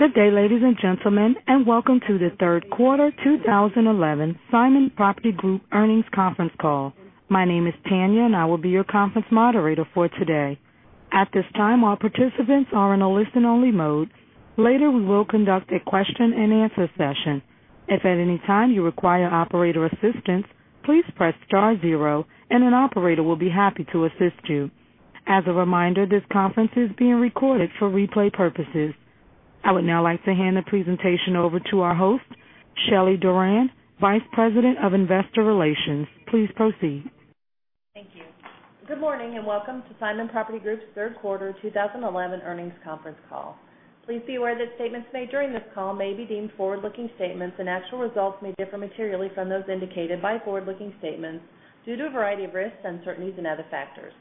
Good day, ladies and gentlemen, and welcome to the Third Quarter 2011 Simon Property Group Earnings Conference Call. My name is Tanya, and I will be your conference moderator for today. At this time, all participants are in a listen-only mode. Later, we will conduct a question-and-answer session. If at any time you require operator assistance, please press star zero, and an operator will be happy to assist you. As a reminder, this conference is being recorded for replay purposes. I would now like to hand the presentation over to our host, Shelly Doran, Vice President of Investor Relations. Please proceed. Thank you. Good morning and welcome to Simon Property Group's Third Quarter 2011 Earnings Conference Call. Please be aware that statements made during this call may be deemed forward-looking statements, and actual results may differ materially from those indicated by forward-looking statements due to a variety of risks, uncertainties, and other factors.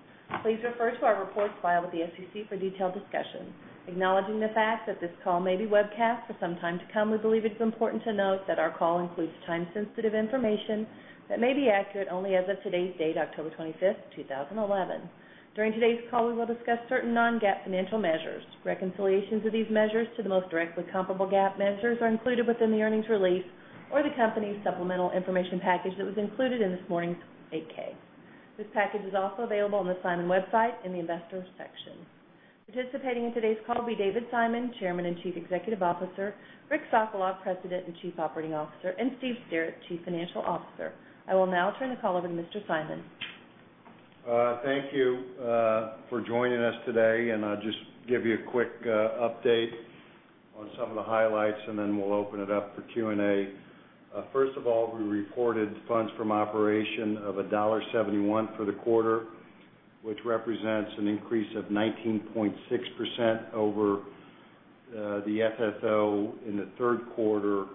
Please refer to our reports filed with the SEC for detailed discussion. Acknowledging the fact that this call may be webcast for some time to come, we believe it is important to note that our call includes time-sensitive information that may be accurate only as of today's date, October 25th, 2011. During today's call, we will discuss certain non-GAAP financial measures. Reconciliations of these measures to the most directly comparable GAAP measures are included within the earnings release or the company's supplemental information package that was included in this morning's 8K. This package is also available on the Simon website in the Investor section. Participating in today's call will be David Simon, Chairman and Chief Executive Officer, Richard Sokolov, President and Chief Operating Officer, and Stephen Sterrett, Chief Financial Officer. I will now turn the call over to Mr. Simon. Thank you for joining us today, and I'll just give you a quick update on some of the highlights, and then we'll open it up for Q&A. First of all, we reported funds from operations of $1.71 for the quarter, which represents an increase of 19.6% over the FFO in the third quarter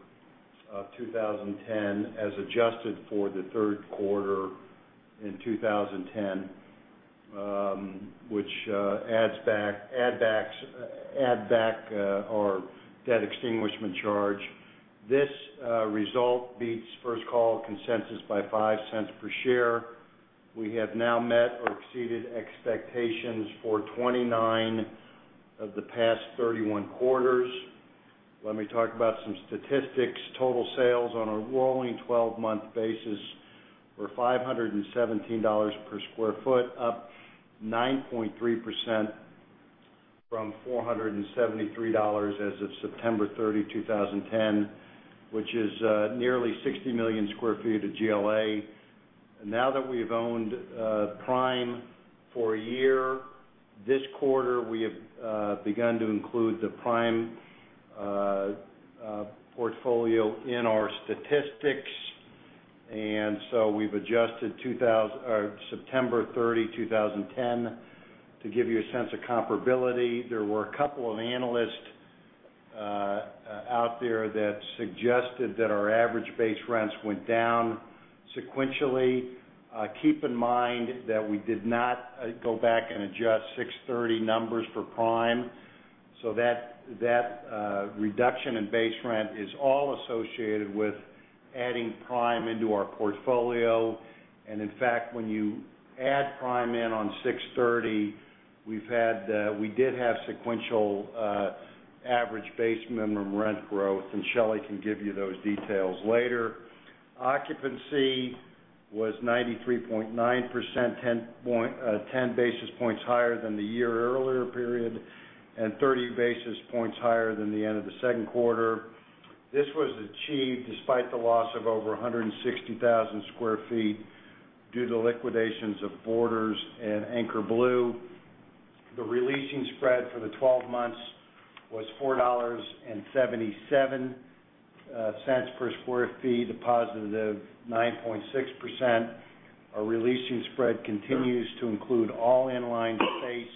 of 2010 as adjusted for the third quarter in 2010, which adds back our debt extinguishment charge. This result beats First Call consensus by $0.05 per share. We have now met or exceeded expectations for 29 of the past 31 quarters. Let me talk about some statistics. Total sales on a rolling 12-month basis were $517 per sq ft, up 9.3% from $473 as of September 30, 2010, which is nearly 60 million sq ft of GLA. Now that we've owned Prime for a year, this quarter we have begun to include the Prime portfolio in our statistics, and so we've adjusted September 30, 2010, to give you a sense of comparability. There were a couple of analysts out there that suggested that our average base rents went down sequentially. Keep in mind that we did not go back and adjust 6/30 numbers for Prime. That reduction in base rent is all associated with adding Prime into our portfolio. In fact, when you add Prime in on 6/30, we did have sequential average base minimum rent growth, and Shelly can give you those details later. Occupancy was 93.9%, 10 basis points higher than the year earlier period, and 30 basis points higher than the end of the second quarter. This was achieved despite the loss of over 160,000 sq ft due to liquidations of Borders and Anchor Blue. The releasing spread for the 12 months was $4.77 per sq ft, a positive 9.6%. Our releasing spread continues to include all inline space,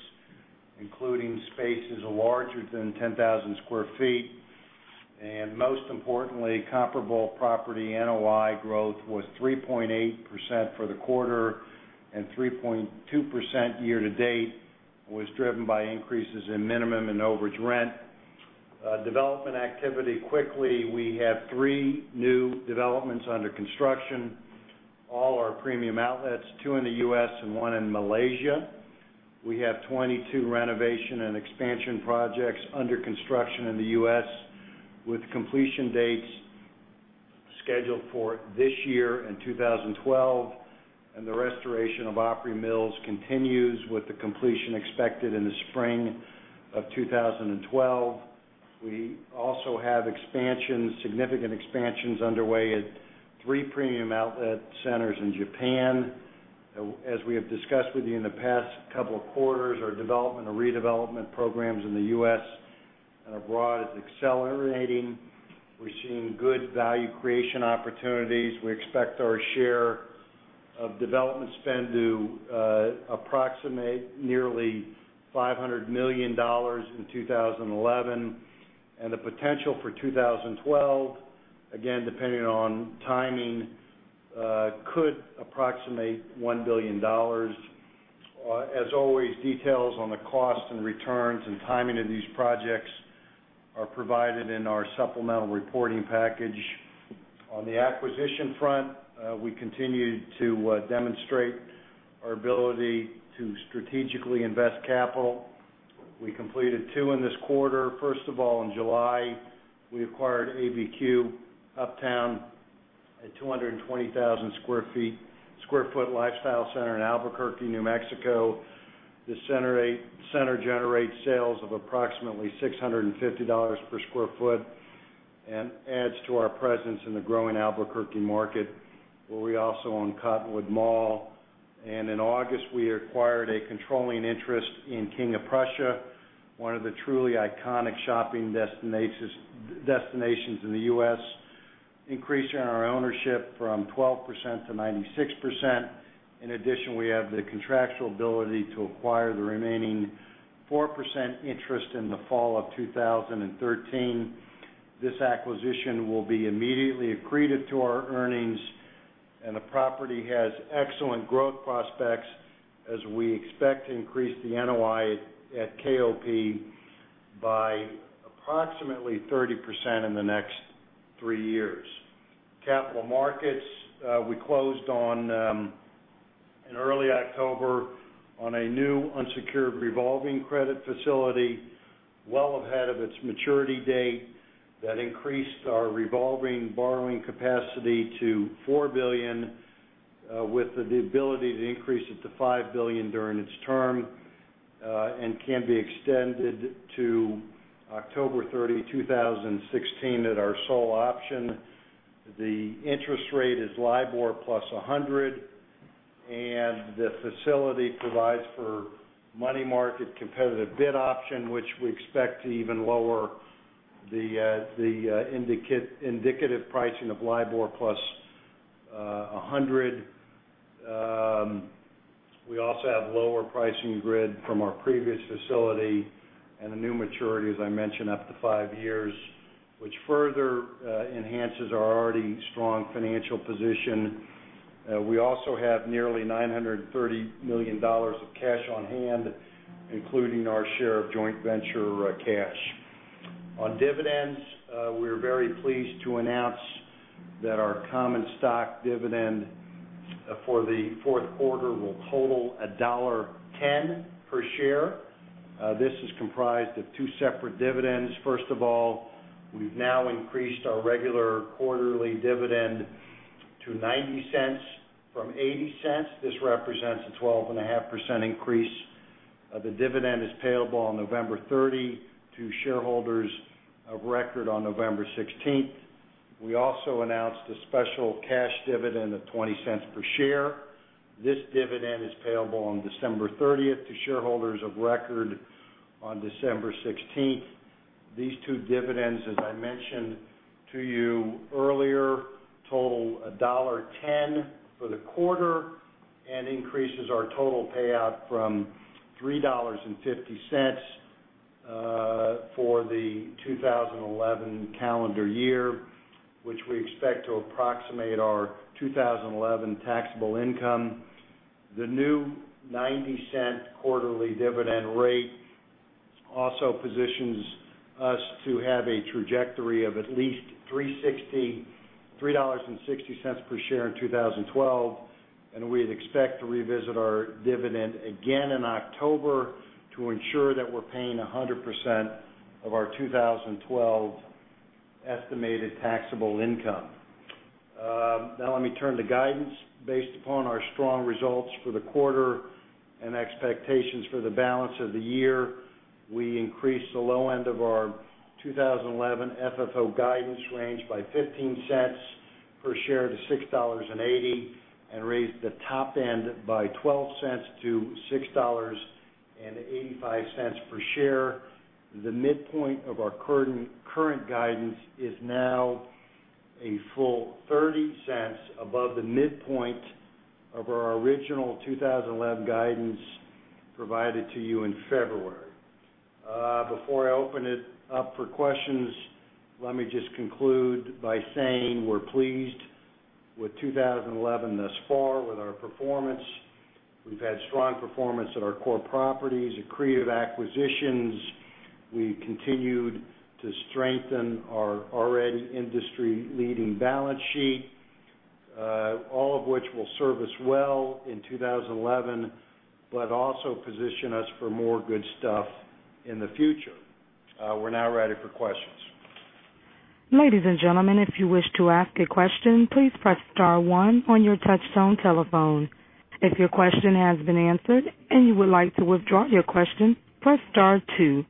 including spaces larger than 10,000 sq ft. Most importantly, comparable property NOI growth was 3.8% for the quarter, and 3.2% year to date was driven by increases in minimum and overage rent. Development activity quickly. We have three new developments under construction, all are premium outlets, two in the U.S. and one in Malaysia. We have 22 renovation and expansion projects under construction in the U.S. with completion dates scheduled for this year and 2012, and the restoration of Opry Mills continues with the completion expected in the spring of 2012. We also have significant expansions underway at three premium outlet centers in Japan. As we have discussed with you in the past couple of quarters, our development and redevelopment programs in the U.S. and abroad are accelerating. We're seeing good value creation opportunities. We expect our share of development spend to approximate nearly $500 million in 2011, and the potential for 2012, again, depending on timing, could approximate $1 billion. As always, details on the cost and returns and timing of these projects are provided in our supplemental reporting package. On the acquisition front, we continue to demonstrate our ability to strategically invest capital. We completed two in this quarter. First of all, in July, we acquired ABQ Uptown, a 220,000 sq ft lifestyle center in Albuquerque, New Mexico. The center generates sales of approximately $650 per sq ft and adds to our presence in the growing Albuquerque market, where we also own Cottonwood Mall. In August, we acquired a controlling interest in King of Prussia, one of the truly iconic shopping destinations in the U.S., increasing our ownership from 12% to 96%. In addition, we have the contractual ability to acquire the remaining 4% interest in the fall of 2013. This acquisition will be immediately accretive to our earnings, and the property has excellent growth prospects as we expect to increase the NOI at KOP by approximately 30% in the next three years. Capital markets, we closed in early October on a new unsecured revolving credit facility, well ahead of its maturity date, that increased our revolving borrowing capacity to $4 billion, with the ability to increase it to $5 billion during its term and can be extended to October 30, 2016, at our sole option. The interest rate is LIBOR plus 100, and the facility provides for a money market competitive bid option, which we expect to even lower the indicative pricing of LIBOR plus 100. We also have a lower pricing grid from our previous facility and a new maturity, as I mentioned, up to five years, which further enhances our already strong financial position. We also have nearly $930 million of cash on hand, including our share of joint venture cash. On dividends, we're very pleased to announce that our common stock dividend for the fourth quarter will total $1.10 per share. This is comprised of two separate dividends. First of all, we've now increased our regular quarterly dividend to $0.90 from $0.80. This represents a 12.5% increase. The dividend is payable on November 30 to shareholders of record on November 16. We also announced a special cash dividend of $0.20 per share. This dividend is payable on December 30 to shareholders of record on December 16. These two dividends, as I mentioned to you earlier, total $1.10 for the quarter and increases our total payout from $3.50 for the 2011 calendar year, which we expect to approximate our 2011 taxable income. The new $0.90 quarterly dividend rate also positions us to have a trajectory of at least $3.60 per share in 2012, and we expect to revisit our dividend again in October to ensure that we're paying 100% of our 2012 estimated taxable income. Now, let me turn to guidance. Based upon our strong results for the quarter and expectations for the balance of the year, we increased the low end of our 2011 FFO guidance range by $0.15 per share to $6.80 and raised the top end by $0.12 to $6.85 per share. The midpoint of our current guidance is now a full $0.30 above the midpoint of our original 2011 guidance provided to you in February. Before I open it up for questions, let me just conclude by saying we're pleased with 2011 thus far with our performance. We've had strong performance at our core properties, accretive acquisitions. We've continued to strengthen our already industry-leading balance sheet, all of which will serve us well in 2011, but also position us for more good stuff in the future. We're now ready for questions. Ladies and gentlemen, if you wish to ask a question, please press star one on your touch-tone telephone. If your question has been answered and you would like to withdraw your question, press star two.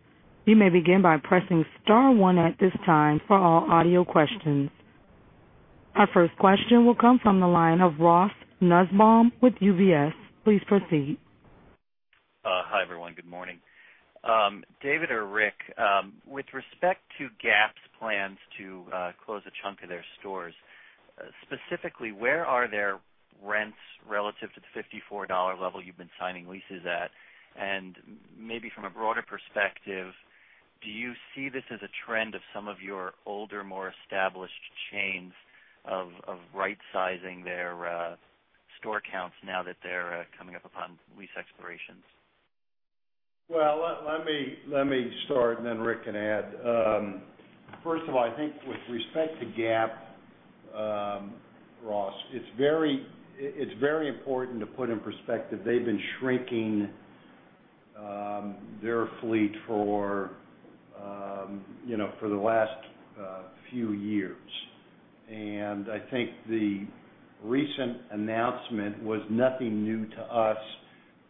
You may begin by pressing star one at this time for all audio questions. Our first question will come from the line of Ross Nussbaum with UBS. Please proceed. Hi, everyone. Good morning. David or Rick, with respect to Gap's plans to close a chunk of their stores, specifically, where are their rents relative to the $54 level you've been signing leases at? Maybe from a broader perspective, do you see this as a trend of some of your older, more established chains right-sizing their store counts now that they're coming up upon lease expirations? Let me start, and then Rick can add. First of all, I think with respect to Gap, Ross, it's very important to put in perspective they've been shrinking their fleet for the last few years. I think the recent announcement was nothing new to us.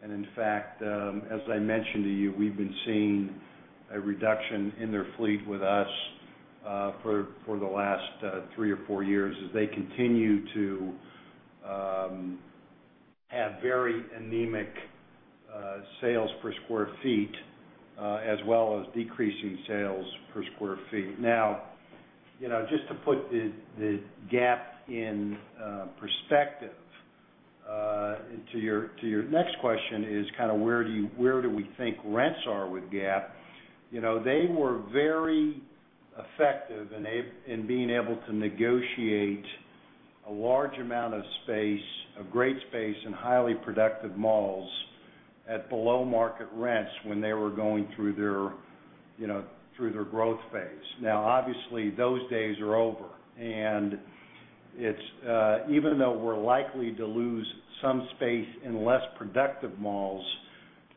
In fact, as I mentioned to you, we've been seeing a reduction in their fleet with us for the last three or four years as they continue to have very anemic sales per square feet, as well as decreasing sales per square feet. Now, just to put Gap in perspective to your next question, where do we think rents are with Gap? They were very effective in being able to negotiate a large amount of space, a great space, and highly productive malls at below-market rents when they were going through their growth phase. Obviously, those days are over. Even though we're likely to lose some space in less productive malls,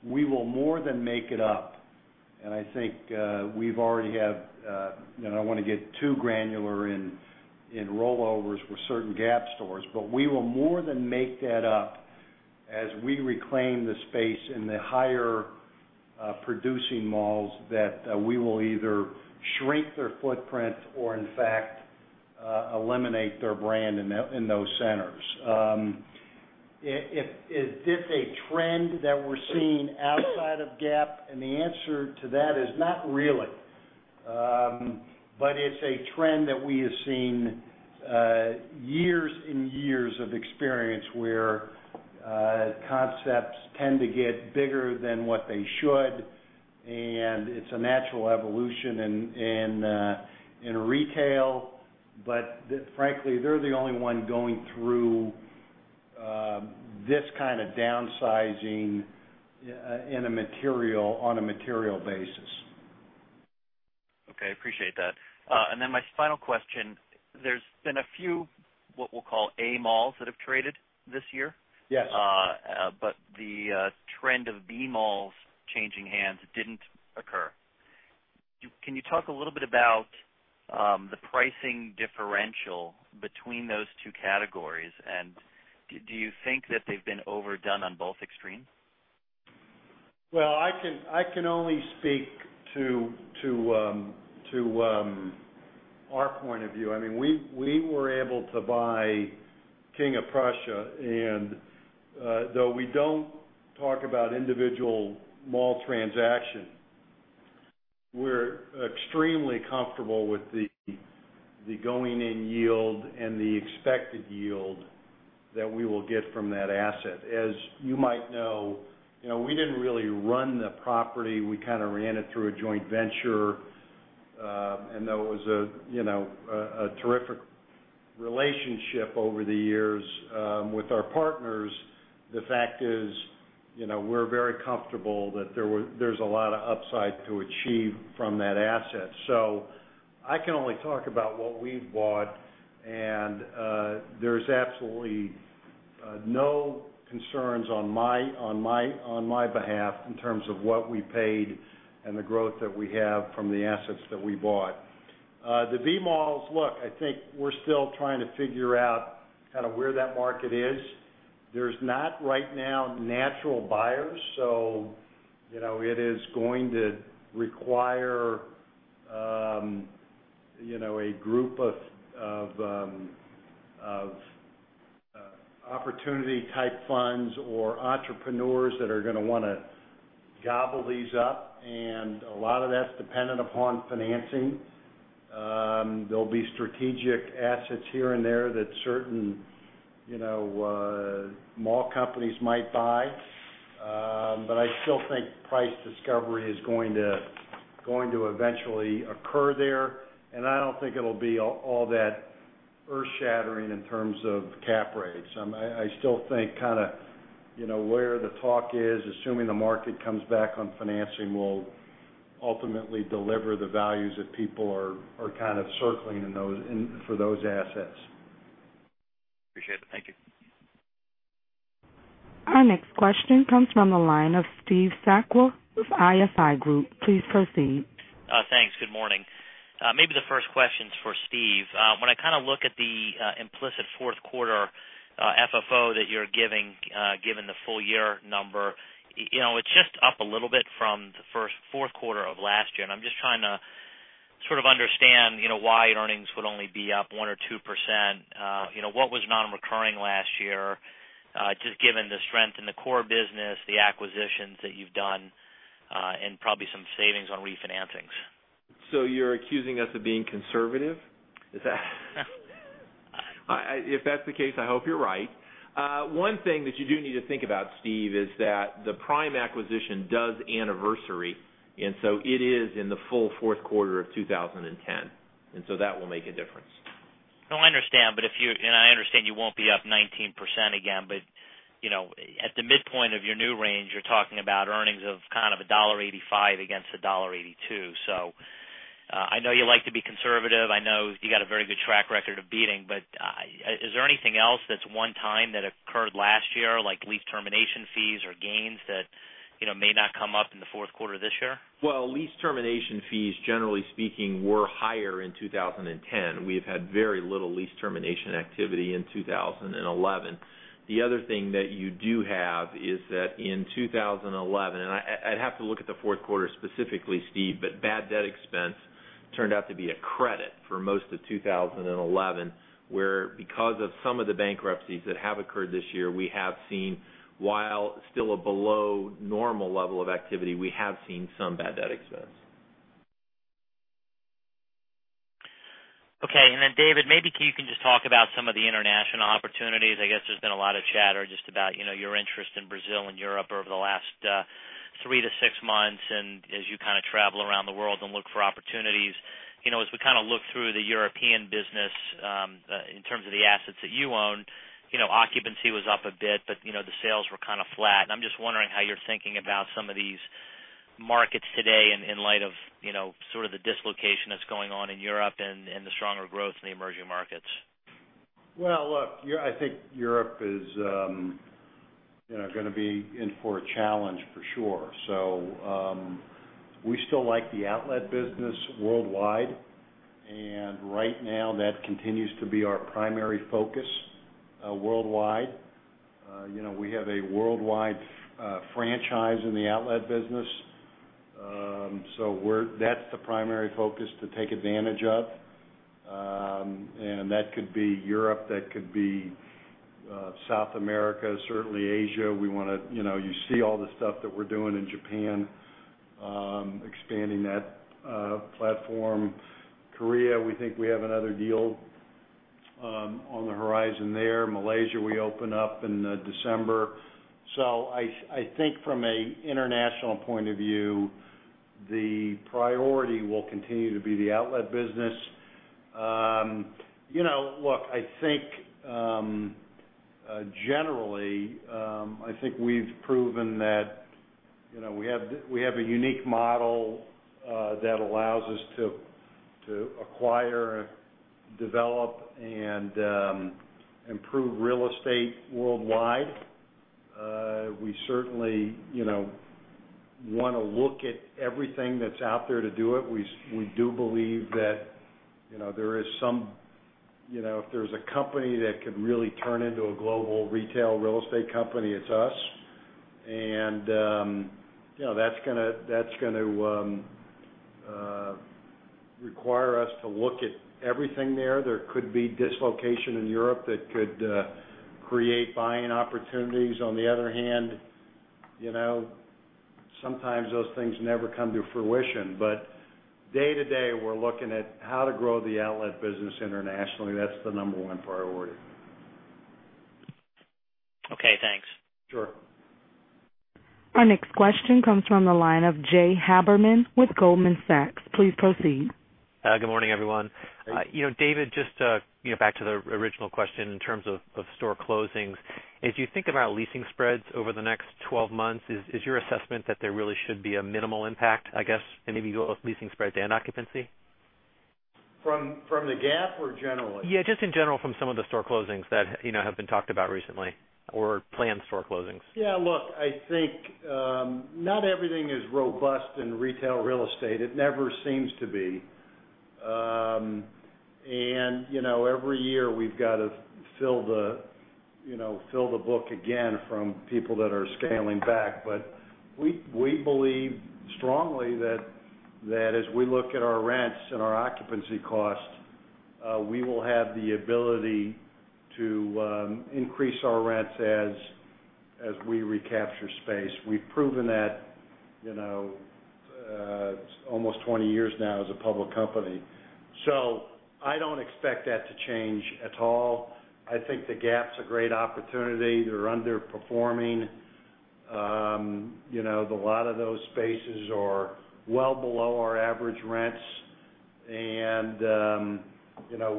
we will more than make it up. I think we've already had, and I don't want to get too granular in rollovers with certain Gap stores, but we will more than make that up as we reclaim the space in the higher-producing malls that we will either shrink their footprints or, in fact, eliminate their brand in those centers. Is this a trend that we're seeing outside of Gap? The answer to that is not really, but it's a trend that we have seen years and years of experience where concepts tend to get bigger than what they should. It's a natural evolution in retail, but frankly, they're the only one going through this kind of downsizing on a material basis. Okay. I appreciate that. My final question, there's been a few, what we'll call Class A malls that have traded this year. Yeah, but the trend of B malls changing hands didn't occur. Can you talk a little bit about the pricing differential between those two categories, and do you think that they've been overdone on both extremes? I can only speak to our point of view. We were able to buy King of Prussia, and though we don't talk about individual mall transactions, we're extremely comfortable with the going-in yield and the expected yield that we will get from that asset. As you might know, we didn't really run the property. We kind of ran it through a joint venture. It was a terrific relationship over the years with our partners. The fact is, we're very comfortable that there's a lot of upside to achieve from that asset. I can only talk about what we've bought, and there's absolutely no concerns on my behalf in terms of what we paid and the growth that we have from the assets that we bought. The B malls, look, I think we're still trying to figure out kind of where that market is. There's not right now natural buyers. It is going to require a group of opportunity-type funds or entrepreneurs that are going to want to gobble these up, and a lot of that's dependent upon financing. There'll be strategic assets here and there that certain mall companies might buy. I still think price discovery is going to eventually occur there, and I don't think it'll be all that earth-shattering in terms of cap rates. I still think kind of where the talk is, assuming the market comes back on financing, we'll ultimately deliver the values that people are kind of circling in for those assets. Appreciate it. Thank you. Our next question comes from the line of Steve Sakwa with ISI Group. Please proceed. Thanks. Good morning. Maybe the first question's for Steve. When I kind of look at the implicit fourth quarter FFO that you're giving, given the full year number, it's just up a little bit from the fourth quarter of last year. I'm just trying to sort of understand why earnings would only be up 1% or 2%. What was non-recurring last year, just given the strength in the core business, the acquisitions that you've done, and probably some savings on refinancings? You're accusing us of being conservative? Is that? If that's the case, I hope you're right. One thing that you do need to think about, Steve, is that the Prime acquisition does anniversary, and it is in the full fourth quarter of 2010. That will make a difference. I understand. If you're, and I understand you won't be up 19% again, but at the midpoint of your new range, you're talking about earnings of kind of $1.85 against $1.82. I know you like to be conservative. I know you got a very good track record of beating, but is there anything else that's one time that occurred last year, like lease termination fees or gains that may not come up in the fourth quarter of this year? Lease termination fees, generally speaking, were higher in 2010. We have had very little lease termination activity in 2011. The other thing that you do have is that in 2011, and I'd have to look at the fourth quarter specifically, Steve, but bad debt expense turned out to be a credit for most of 2011, where because of some of the bankruptcies that have occurred this year, we have seen, while still a below-normal level of activity, we have seen some bad debt expense. Okay. David, maybe you can just talk about some of the international opportunities. There's been a lot of chatter about your interest in Brazil and Europe over the last three to six months. As you travel around the world and look for opportunities, as we look through the European business, in terms of the assets that you own, occupancy was up a bit, but the sales were kind of flat. I'm just wondering how you're thinking about some of these markets today in light of the dislocation that's going on in Europe and the stronger growth in the emerging markets. I think Europe is, you know, going to be in for a challenge for sure. We still like the outlet business worldwide, and right now that continues to be our primary focus worldwide. We have a worldwide franchise in the outlet business. That's the primary focus to take advantage of. That could be Europe, that could be South America, certainly Asia. You see all the stuff that we're doing in Japan, expanding that platform. Korea, we think we have another deal on the horizon there. Malaysia, we open up in December. I think from an international point of view, the priority will continue to be the outlet business. I think generally, I think we've proven that we have a unique model that allows us to acquire, develop, and improve real estate worldwide. We certainly want to look at everything that's out there to do it. We do believe that if there's a company that could really turn into a global retail real estate company, it's us. That's going to require us to look at everything there. There could be dislocation in Europe that could create buying opportunities. On the other hand, sometimes those things never come to fruition. Day-to-day, we're looking at how to grow the outlet business internationally. That's the number one priority. Okay. Thanks. Sure. Our next question comes from the line of Jay Habermann with Goldman Sachs. Please proceed. Good morning, everyone. David, just back to the original question in terms of store closings. As you think about leasing spreads over the next 12 months, is your assessment that there really should be a minimal impact, I guess, and maybe you go with leasing spread to an occupancy? From the Gap or generally? Yeah, just in general from some of the store closings that have been talked about recently or planned store closings. Yeah, look, I think not everything is robust in retail real estate. It never seems to be. Every year we've got to fill the, you know, fill the book again from people that are scaling back. We believe strongly that as we look at our rents and our occupancy cost, we will have the ability to increase our rents as we recapture space. We've proven that, you know, almost 20 years now as a public company. I don't expect that to change at all. I think Gap's a great opportunity. They're underperforming. A lot of those spaces are well below our average rents, and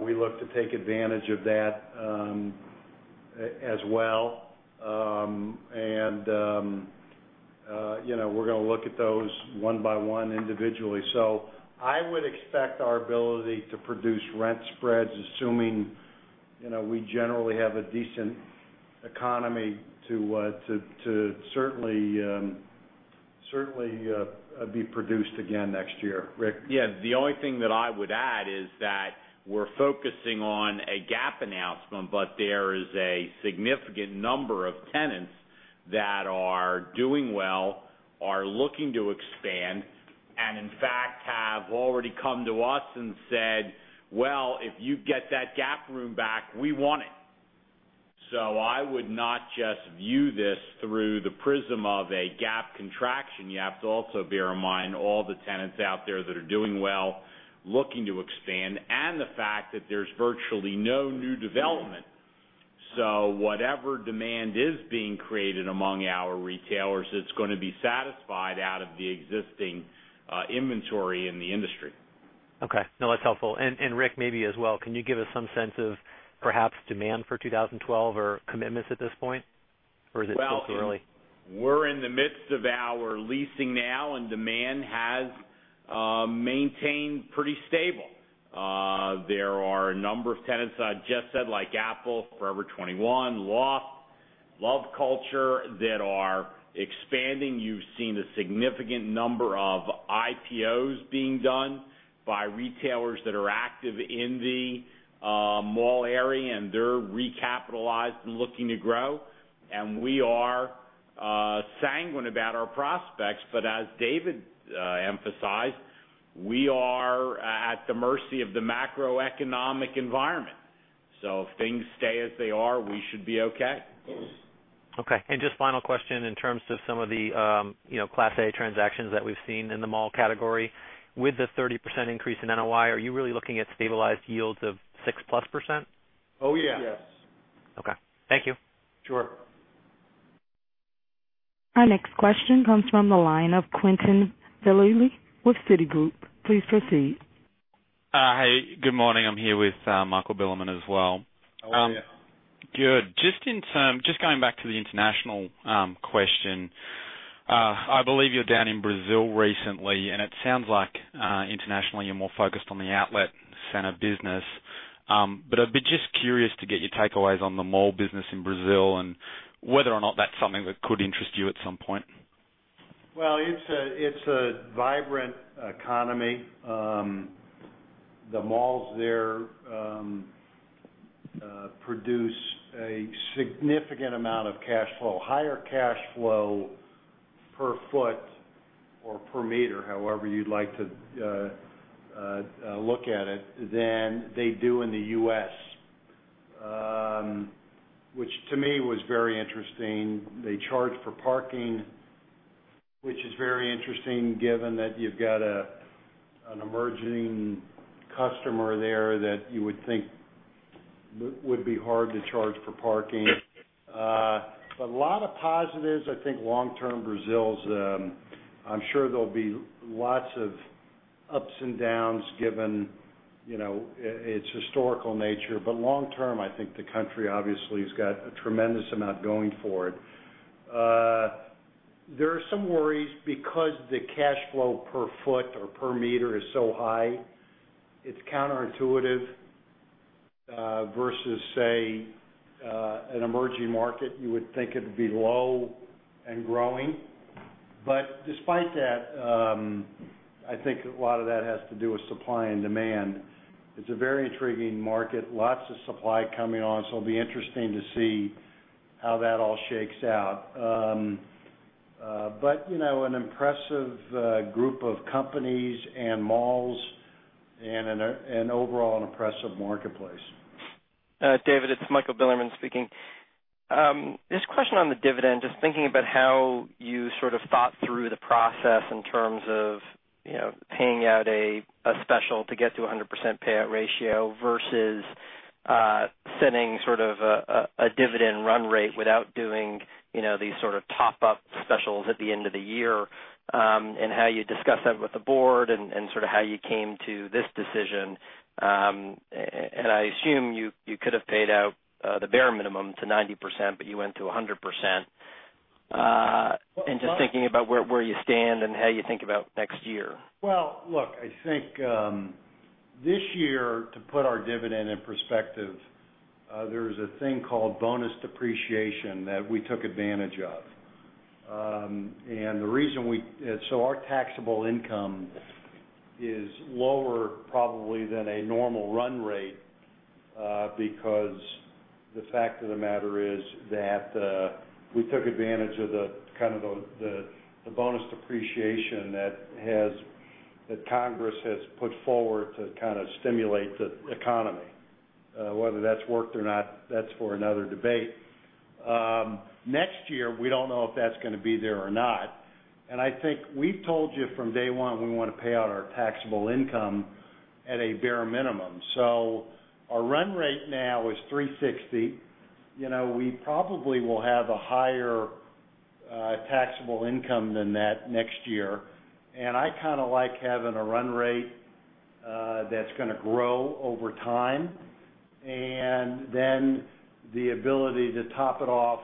we look to take advantage of that as well. We're going to look at those one by one individually. I would expect our ability to produce rent spreads, assuming we generally have a decent economy, to certainly be produced again next year. Rick? Yeah. The only thing that I would add is that we're focusing on a Gap announcement, but there is a significant number of tenants that are doing well, are looking to expand, and in fact, have already come to us and said, "If you get that Gap room back, we want it." I would not just view this through the prism of a Gap contraction. You have to also bear in mind all the tenants out there that are doing well, looking to expand, and the fact that there's virtually no new development. Whatever demand is being created among our retailers is going to be satisfied out of the existing inventory in the industry. Okay. No, that's helpful. Rick, maybe as well, can you give us some sense of perhaps demand for 2012 or commitments at this point, or is it still too early? We are in the midst of our leasing now, and demand has maintained pretty stable. There are a number of tenants that I just said, like Apple, Forever 21, LOFT, Love Culture, that are expanding. You've seen a significant number of IPOs being done by retailers that are active in the mall area, and they're recapitalized and looking to grow. We are sanguine about our prospects. As David emphasized, we are at the mercy of the macroeconomic environment. If things stay as they are, we should be okay. Okay. Just final question in terms of some of the, you know, Class A transactions that we've seen in the mall category. With the 30% increase in NOI, are you really looking at stabilized yields of 6%+? Oh, yes. Okay, thank you. Sure. Our next question comes from the line of Quintin Deleulli with Citi. Please proceed. Hi. Good morning. I'm here with Michael Bilerman as well. How are you? Good. Just in term, just going back to the international question, I believe you're down in Brazil recently, and it sounds like internationally you're more focused on the outlet center business. I'd be just curious to get your takeaways on the mall business in Brazil and whether or not that's something that could interest you at some point. It's a vibrant economy. The malls there produce a significant amount of cash flow, higher cash flow per foot or per meter, however you'd like to look at it, than they do in the U.S., which to me was very interesting. They charge for parking, which is very interesting given that you've got an emerging customer there that you would think would be hard to charge for parking. A lot of positives. I think long-term Brazil's, I'm sure there'll be lots of ups and downs given its historical nature. Long-term, I think the country obviously has got a tremendous amount going for it. There are some worries because the cash flow per foot or per meter is so high, it's counterintuitive versus, say, an emerging market. You would think it'd be low and growing. Despite that, I think a lot of that has to do with supply and demand. It's a very intriguing market, lots of supply coming on. It'll be interesting to see how that all shakes out. An impressive group of companies and malls and an overall impressive marketplace. David, it's Michael Bilerman speaking. This question on the dividend, just thinking about how you sort of thought through the process in terms of, you know, paying out a special to get to a 100% payout ratio versus setting sort of a dividend run rate without doing, you know, these sort of top-up specials at the end of the year, and how you discussed that with the board and sort of how you came to this decision. I assume you could have paid out the bare minimum to 90%, but you went to 100%. Just thinking about where you stand and how you think about next year. I think this year, to put our dividend in perspective, there's a thing called bonus depreciation that we took advantage of. The reason we, so our taxable income is lower probably than a normal run rate because the fact of the matter is that we took advantage of the kind of the bonus depreciation that Congress has put forward to stimulate the economy. Whether that's worked or not, that's for another debate. Next year, we don't know if that's going to be there or not. I think we've told you from day one we want to pay out our taxable income at a bare minimum. Our run rate now is $3.60. We probably will have a higher taxable income than that next year. I kind of like having a run rate that's going to grow over time, and then the ability to top it off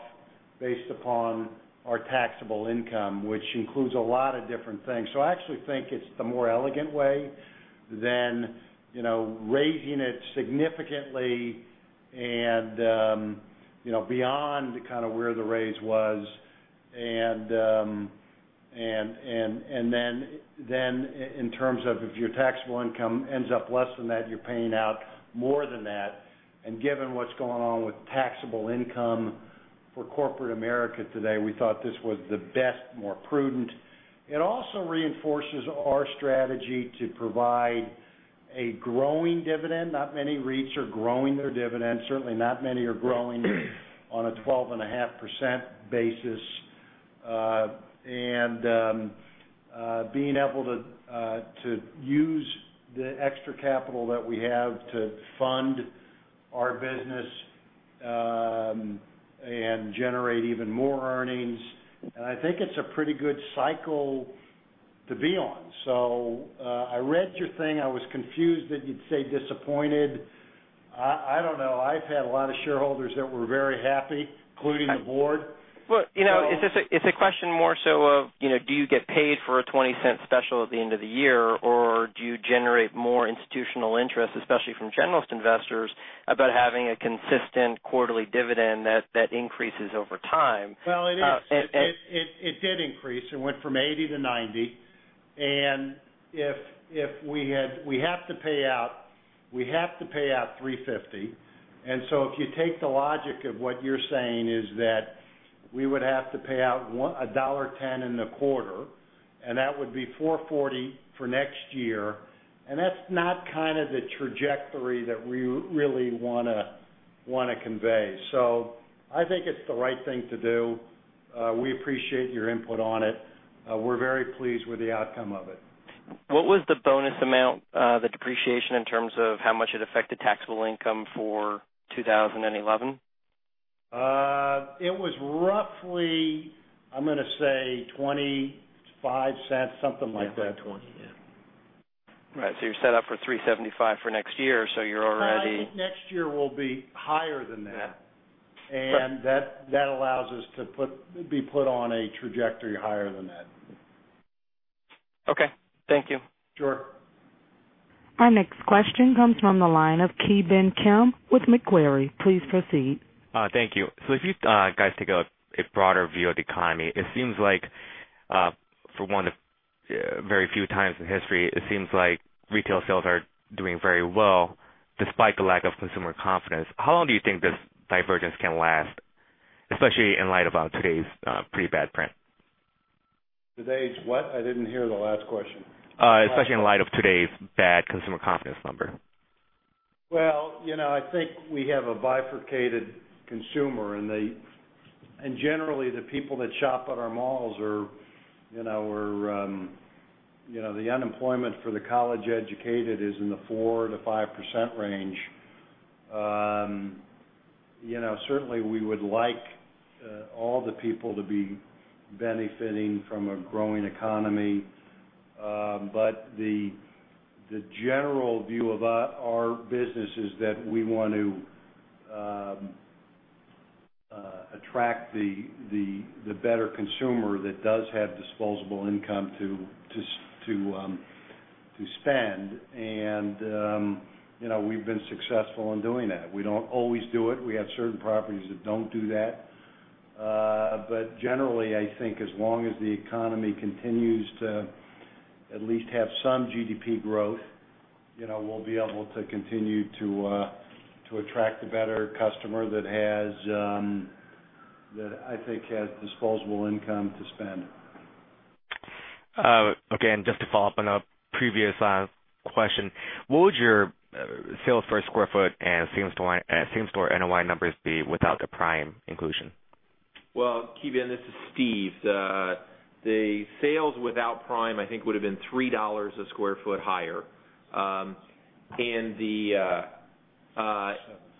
based upon our taxable income, which includes a lot of different things. I actually think it's the more elegant way than raising it significantly beyond where the raise was. In terms of if your taxable income ends up less than that, you're paying out more than that. Given what's going on with taxable income for corporate America today, we thought this was the best, more prudent. It also reinforces our strategy to provide a growing dividend. Not many REITs are growing their dividends. Certainly, not many are growing on a 12.5% basis. Being able to use the extra capital that we have to fund our business and generate even more earnings. I think it's a pretty good cycle to be on. I read your thing. I was confused that you'd say disappointed. I don't know. I've had a lot of shareholders that were very happy, including the board. It's a question more so of, you know, do you get paid for a $0.20 special at the end of the year, or do you generate more institutional interest, especially from generalist investors, about having a consistent quarterly dividend that increases over time? It did increase. It went from 80 to 90. If we have to pay out, we have to pay out 350. If you take the logic of what you're saying, we would have to pay out $1.10 in the quarter, and that would be $4.40 for next year. That's not kind of the trajectory that we really want to convey. I think it's the right thing to do. We appreciate your input on it. We're very pleased with the outcome of it. What was the bonus amount, the depreciation in terms of how much it affected taxable income for 2011? It was roughly, I'm going to say, $0.25, something like that. $25.20, yeah. Right. You're set up for $3.75 for next year. You're already. I think next year will be higher than that, which allows us to be put on a trajectory higher than that. Okay, thank you. Sure. Our next question comes from the line of Ki Bin Kim with Macquarie. Please proceed. Thank you. If you guys take a broader view of the economy, it seems like, for one of the very few times in history, it seems like retail sales are doing very well despite the lack of consumer confidence. How long do you think this divergence can last, especially in light of today's pretty bad print? Did I age what? I didn't hear the last question. Especially in light of today's bad consumer confidence number. I think we have a bifurcated consumer, and generally, the people that shop at our malls are, you know, the unemployment for the college-educated is in the 4%-5% range. Certainly, we would like all the people to be benefiting from a growing economy. The general view of our business is that we want to attract the better consumer that does have disposable income to spend. We've been successful in doing that. We don't always do it. We have certain properties that don't do that. Generally, I think as long as the economy continues to at least have some GDP growth, we'll be able to continue to attract the better customer that has, that I think has disposable income to spend. Okay. Just to follow up on the previous question, what would your sales per square foot and same-store NOI numbers be without the Prime inclusion? Ki Bin, this is Steve. The sales without Prime, I think, would have been $3 a square foot higher,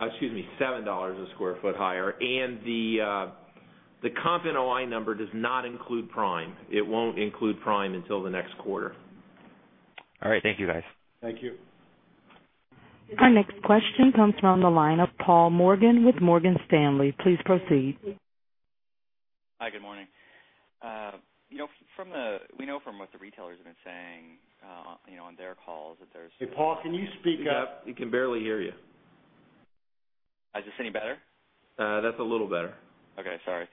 excuse me, $7 a square foot higher. The comp and NOI number does not include Prime. It won't include Prime until the next quarter. All right. Thank you, guys. Thank you. Our next question comes from the line of Paul Morgan with Morgan Stanley. Please proceed. Hi. Good morning. We know from what the retailers have been saying on their calls that there's Hey, Paul, can you speak up? Yep, he can barely hear you. Is this any better? That's a little better. Okay. Sorry.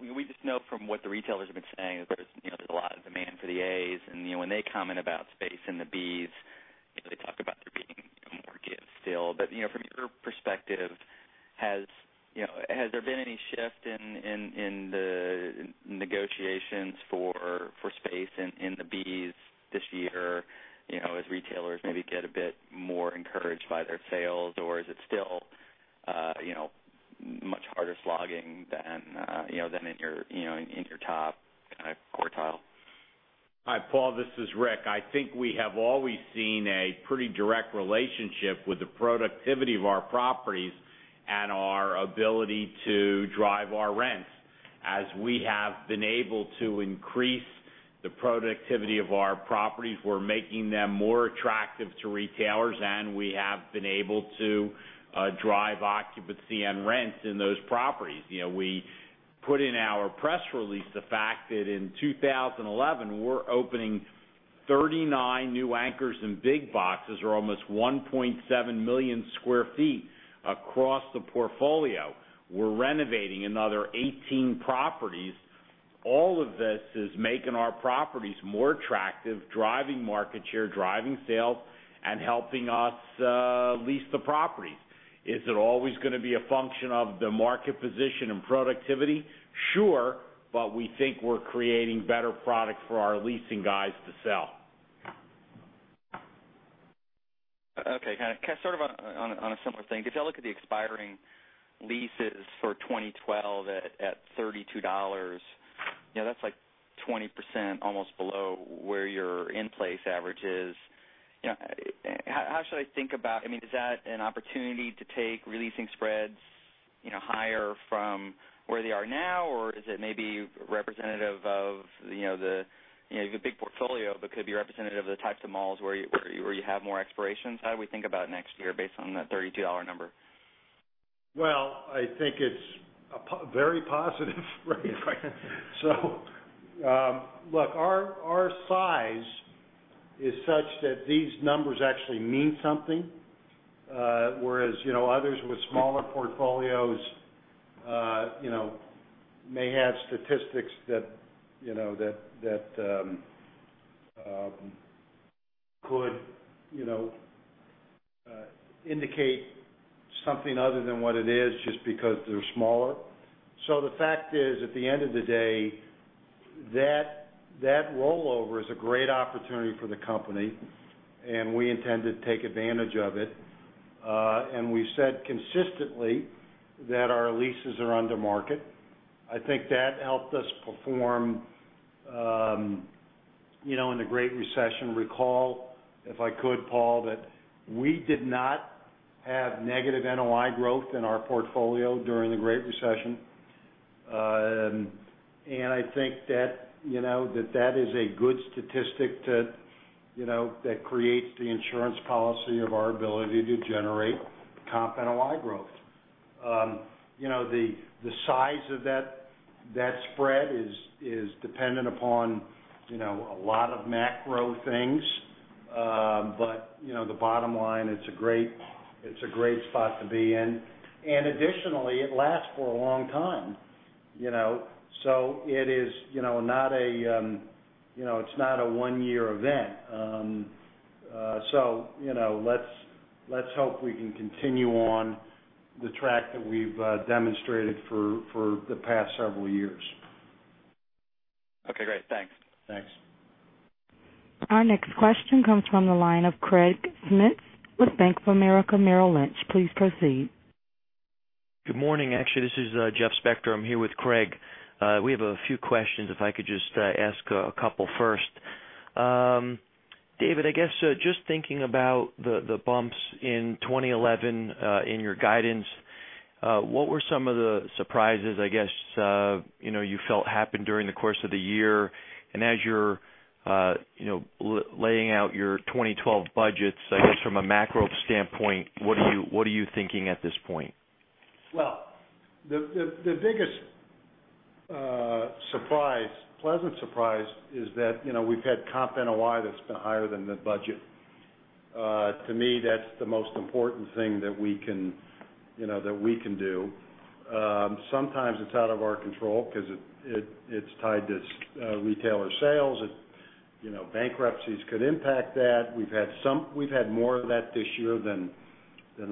We just know from what the retailers have been saying that there's, you know, there's a lot of demand for the As. When they comment about space and the Bs, they talk about there being more gifts still. From your perspective, has there been any shift in the negotiations for space in the Bs this year? As retailers maybe get a bit more encouraged by their sales, or is it still much harder slogging than in your top kind of quartile? Hi, Paul. This is Rick. I think we have always seen a pretty direct relationship with the productivity of our properties and our ability to drive our rent. As we have been able to increase the productivity of our properties, we're making them more attractive to retailers, and we have been able to drive occupancy and rents in those properties. We put in our press release the fact that in 2011, we're opening 39 new anchors and big boxes, or almost 1.7 million sq ft across the portfolio. We're renovating another 18 properties. All of this is making our properties more attractive, driving market share, driving sales, and helping us lease the properties. Is it always going to be a function of the market position and productivity? Sure. We think we're creating better products for our leasing guys to sell. Okay. Kind of on a similar thing, if you look at the expiring leases for 2012 at $32, you know, that's like 20% almost below where your in-place average is. You know, how should I think about, I mean, is that an opportunity to take leasing spreads higher from where they are now, or is it maybe representative of, you know, the big portfolio, but could it be representative of the types of malls where you have more expirations? How do we think about next year based on that $32 number? I think it's a very positive rate. Our size is such that these numbers actually mean something, whereas others with smaller portfolios may have statistics that could indicate something other than what it is just because they're smaller. The fact is, at the end of the day, that rollover is a great opportunity for the company, and we intend to take advantage of it. We've said consistently that our leases are under-market. I think that helped us perform in the Great Recession. Recall, if I could, Paul, that we did not have negative NOI growth in our portfolio during the Great Recession. I think that is a good statistic that creates the insurance policy of our ability to generate comp NOI growth. The size of that spread is dependent upon a lot of macro things. The bottom line, it's a great spot to be in. Additionally, it lasts for a long time. It is not a one-year event. Let's hope we can continue on the track that we've demonstrated for the past several years. Okay, great. Thanks. Thanks. Our next question comes from the line of Craig Smith with Bank of America. Please proceed. Good morning. This is Jeff Spector. I'm here with Craig. We have a few questions. If I could just ask a couple first. David, I guess just thinking about the bumps in 2011 in your guidance, what were some of the surprises you felt happened during the course of the year? As you're laying out your 2012 budgets, I guess from a macro standpoint, what are you thinking at this point? The biggest pleasant surprise is that, you know, we've had comp NOI that's been higher than the budget. To me, that's the most important thing that we can do. Sometimes it's out of our control because it's tied to retailer sales. Bankruptcies could impact that. We've had some, we've had more of that this year than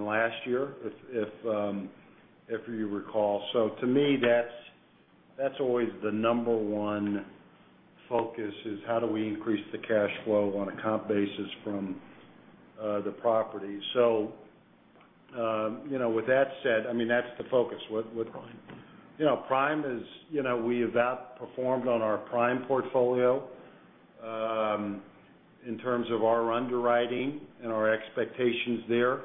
last year, if you recall. To me, that's always the number one focus, how do we increase the cash flow on a comp basis from the property. With that said, I mean, that's the focus. What? Prime. You know, Prime is, you know, we have outperformed on our Prime portfolio in terms of our underwriting and our expectations there.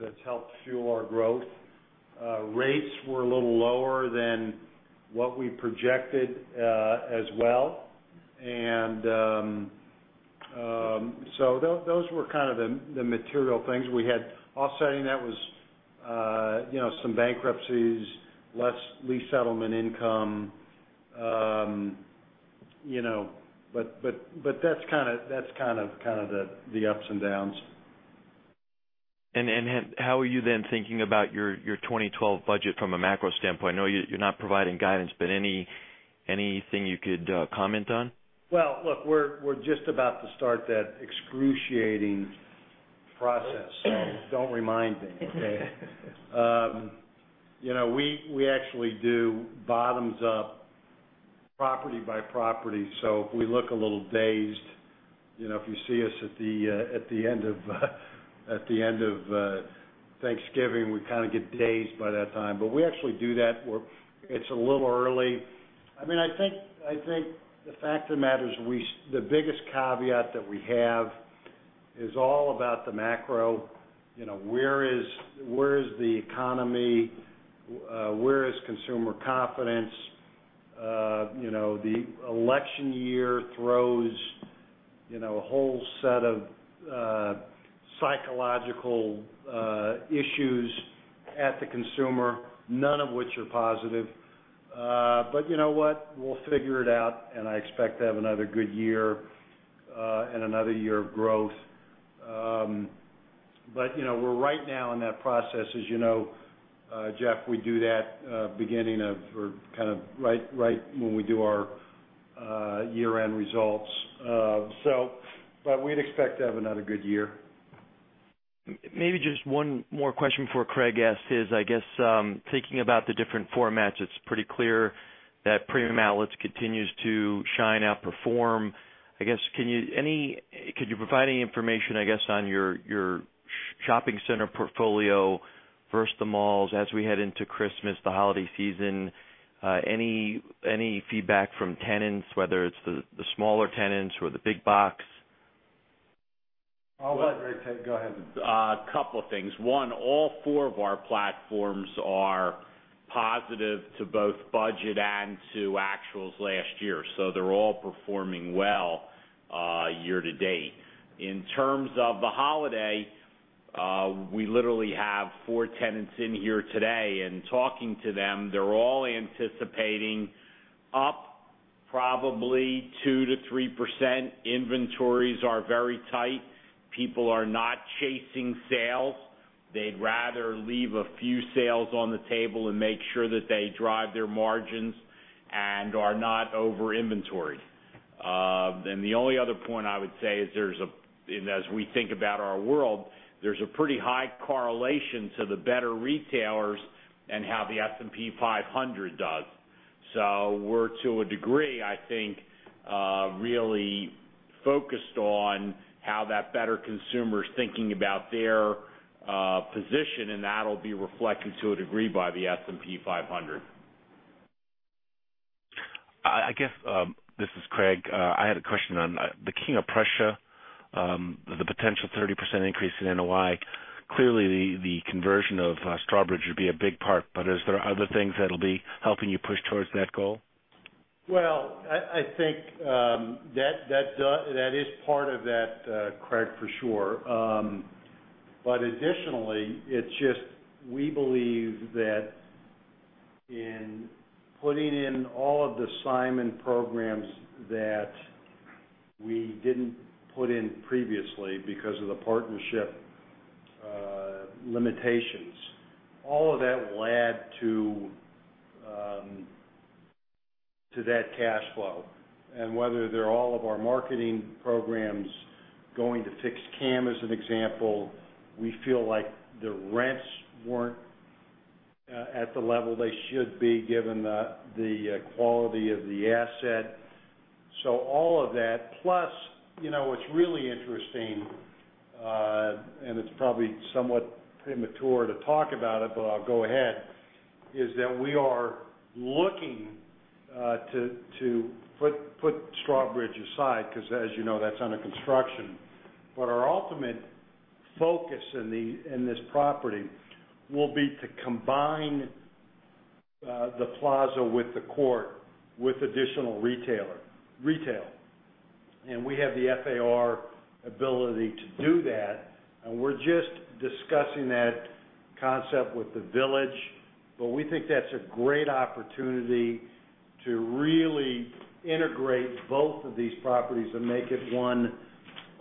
That's helped fuel our growth. Rates were a little lower than what we projected as well. Those were kind of the material things we had. Offsetting that was some bankruptcies, less lease settlement income, but that's kind of the ups and downs. How are you then thinking about your 2012 budget from a macro standpoint? I know you're not providing guidance, but anything you could comment on? Look, we're just about to start that excruciating process. Don't remind me. You know, we actually do bottoms up property by property. If we look a little dazed, if you see us at the end of Thanksgiving, we kind of get dazed by that time. We actually do that. It's a little early. I think the fact of the matter is the biggest caveat that we have is all about the macro. Where is the economy? Where is consumer confidence? The election year throws a whole set of psychological issues at the consumer, none of which are positive. You know what? We'll figure it out. I expect to have another good year and another year of growth. We're right now in that process. As you know, Jeff, we do that beginning of or kind of right when we do our year-end results. We'd expect to have another good year. Maybe just one more question before Craig asks. I guess, thinking about the different formats, it's pretty clear that premium outlets continue to shine, outperform. I guess, can you provide any information on your shopping center portfolio versus the malls as we head into Christmas, the holiday season? Any feedback from tenants, whether it's the smaller tenants or the big box? I'll let Rick go ahead. A couple of things. One, all four of our platforms are positive to both budget and to actuals last year. They're all performing well year to date. In terms of the holiday, we literally have four tenants in here today. Talking to them, they're all anticipating up probably 2%-3%. Inventories are very tight. People are not chasing sales. They'd rather leave a few sales on the table and make sure that they drive their margins and are not overinventoried. The only other point I would say is, as we think about our world, there's a pretty high correlation to the better retailers and how the S&P 500 does. We're, to a degree, I think, really focused on how that better consumer is thinking about their position, and that'll be reflected to a degree by the S&P 500. I guess this is Craig. I had a question on the King of Prussia, the potential 30% increase in NOI. Clearly, the conversion of Strawbridge would be a big part, but are there other things that'll be helping you push towards that goal? I think that is part of that, Craig, for sure. Additionally, it's just we believe that in putting in all of the Simon programs that we didn't put in previously because of the partnership limitations, all of that led to that cash flow. Whether they're all of our marketing programs going to Fixed Cam as an example, we feel like the rents weren't at the level they should be given the quality of the asset. All of that, plus, you know, what's really interesting, and it's probably somewhat premature to talk about it, but I'll go ahead, is that we are looking to put Strawbridge aside because, as you know, that's under construction. Our ultimate focus in this property will be to combine the plaza with the court with additional retail. We have the FAR ability to do that, and we're just discussing that concept with the village, but we think that's a great opportunity to really integrate both of these properties and make it one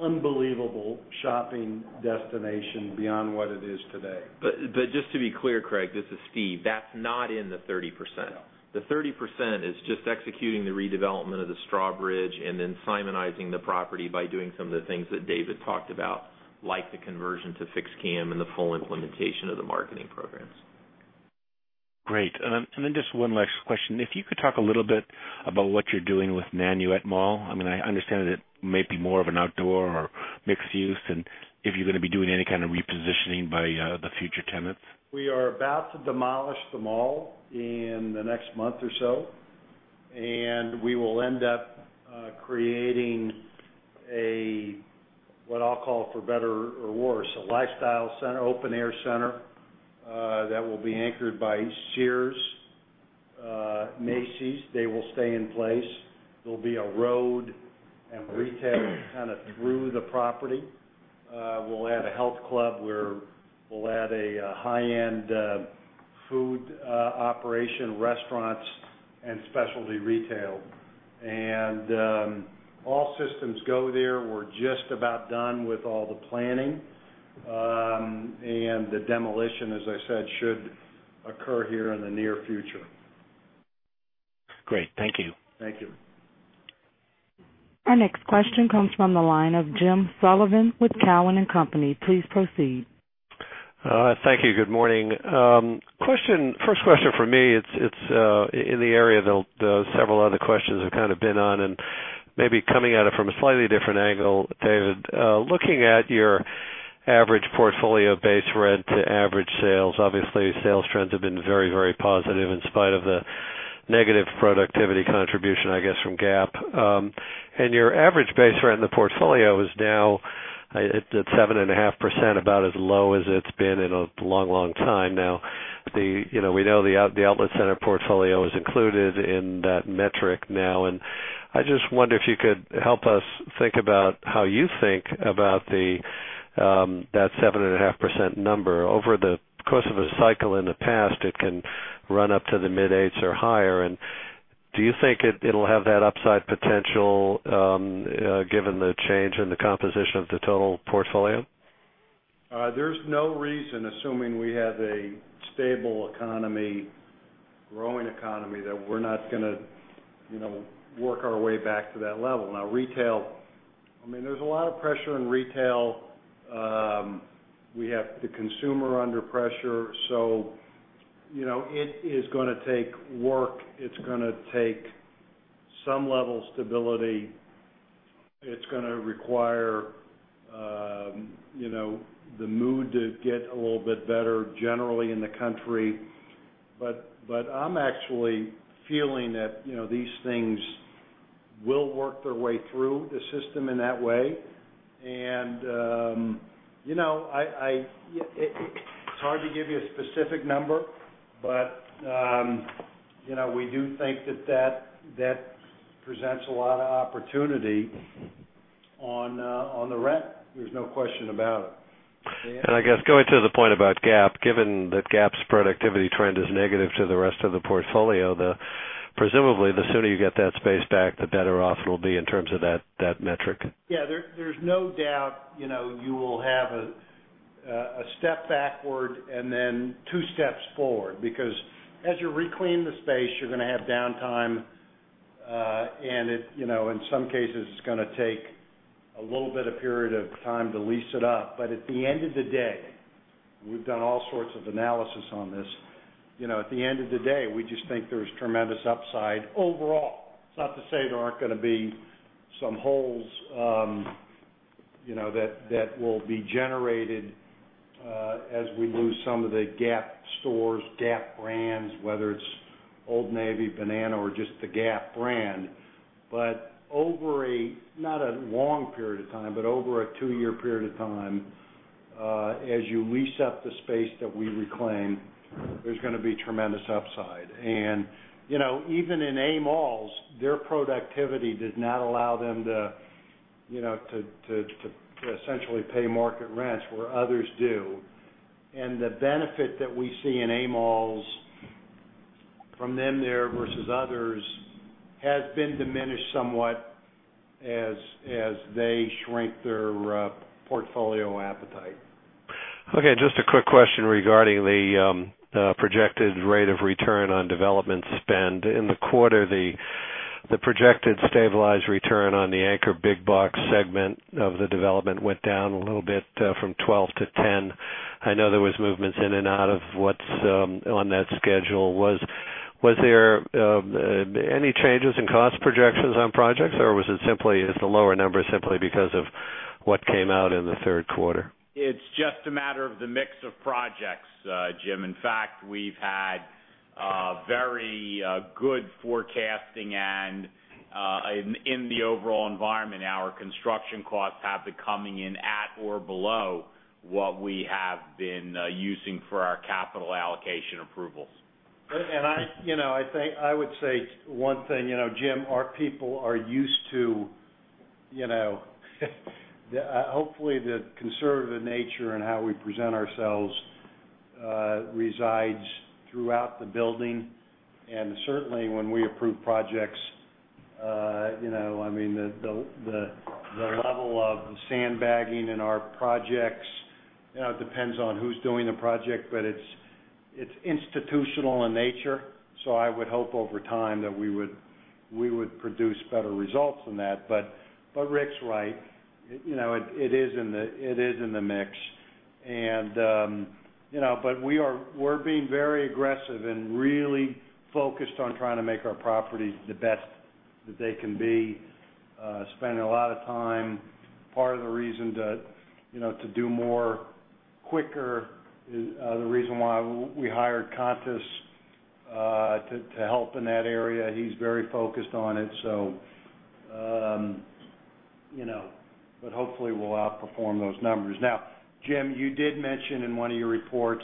unbelievable shopping destination beyond what it is today. To be clear, Craig, this is Steve. That's not in the 30%. The 30% is just executing the redevelopment of the Strawbridge and then Simonizing the property by doing some of the things that David talked about, like the conversion to Fixed Cam and the full implementation of the marketing programs. Great. Just one last question. If you could talk a little bit about what you're doing with Nanuet Mall. I mean, I understand that it may be more of an outdoor or mixed-use, and if you're going to be doing any kind of repositioning by the future tenants. We are about to demolish the mall in the next month or so. We will end up creating a, what I'll call for better words, a lifestyle center, open-air center that will be anchored by Sears, Macy's. They will stay in place. There will be a road and a retail kind of through the property. We'll add a health club where we'll add a high-end food operation, restaurants, and specialty retail. All systems go there. We're just about done with all the planning. The demolition, as I said, should occur here in the near future. Great. Thank you. Thank you. Our next question comes from the line of Jim Sullivan with Talon and Company. Please proceed. Thank you. Good morning. Question, first question for me, it's in the area that several other questions have kind of been on and maybe coming at it from a slightly different angle, David. Looking at your average portfolio base rent to average sales, obviously, sales trends have been very, very positive in spite of the negative productivity contribution, I guess, from Gap. Your average base rent in the portfolio is now at 7.5%, about as low as it's been in a long, long time now. We know the outlet center portfolio is included in that metric now. I just wonder if you could help us think about how you think about that 7.5% number. Over the course of a cycle in the past, it can run up to the mid 8% or higher. Do you think it'll have that upside potential given the change in the composition of the total portfolio? There's no reason, assuming we have a stable economy, growing economy, that we're not going to work our way back to that level. Now, retail, I mean, there's a lot of pressure in retail. We have the consumer under pressure. It is going to take work. It's going to take some level of stability. It's going to require the mood to get a little bit better generally in the country. I'm actually feeling that these things will work their way through the system in that way. It's hard to give you a specific number, but we do think that that presents a lot of opportunity on the rent. There's no question about it. I guess going to the point about Gap, given that Gap's productivity trend is negative to the rest of the portfolio, presumably, the sooner you get that space back, the better off it'll be in terms of that metric. Yeah, there's no doubt you will have a step backward and then two steps forward because as you reclaim the space, you're going to have downtime. In some cases, it's going to take a little bit of period of time to lease it up. At the end of the day, we've done all sorts of analysis on this. At the end of the day, we just think there's tremendous upside overall. It's not to say there aren't going to be some holes that will be generated as we lose some of the Gap stores, Gap brands, whether it's Old Navy, Banana, or just the Gap brand. Over a, not a long period of time, but over a two-year period of time, as you lease up the space that we reclaim, there's going to be tremendous upside. Even in A malls, their productivity does not allow them to essentially pay market rents where others do. The benefit that we see in A malls from them there versus others has been diminished somewhat as they shrink their portfolio appetite. Okay. Just a quick question regarding the projected rate of return on development spend. In the quarter, the projected stabilized return on the anchor big box segment of the development went down a little bit from 12% to 10%. I know there were movements in and out of what's on that schedule. Was there any changes in cost projections on projects, or was it simply the lower number simply because of what came out in the third quarter? It's just a matter of the mix of projects, Jim. In fact, we've had very good forecasting, and in the overall environment, our construction costs have been coming in at or below what we have been using for our capital allocation approvals. I think I would say one thing, Jim, our people are used to, hopefully, the conservative nature in how we present ourselves resides throughout the building. Certainly, when we approve projects, the level of sandbagging in our projects depends on who's doing the project, but it's institutional in nature. I would hope over time that we would produce better results than that. Rick's right, it is in the mix. We are being very aggressive and really focused on trying to make our properties the best that they can be, spending a lot of time. Part of the reason to do more quicker is the reason why we hired Contis to help in that area. He's very focused on it. Hopefully, we'll outperform those numbers. Jim, you did mention in one of your reports,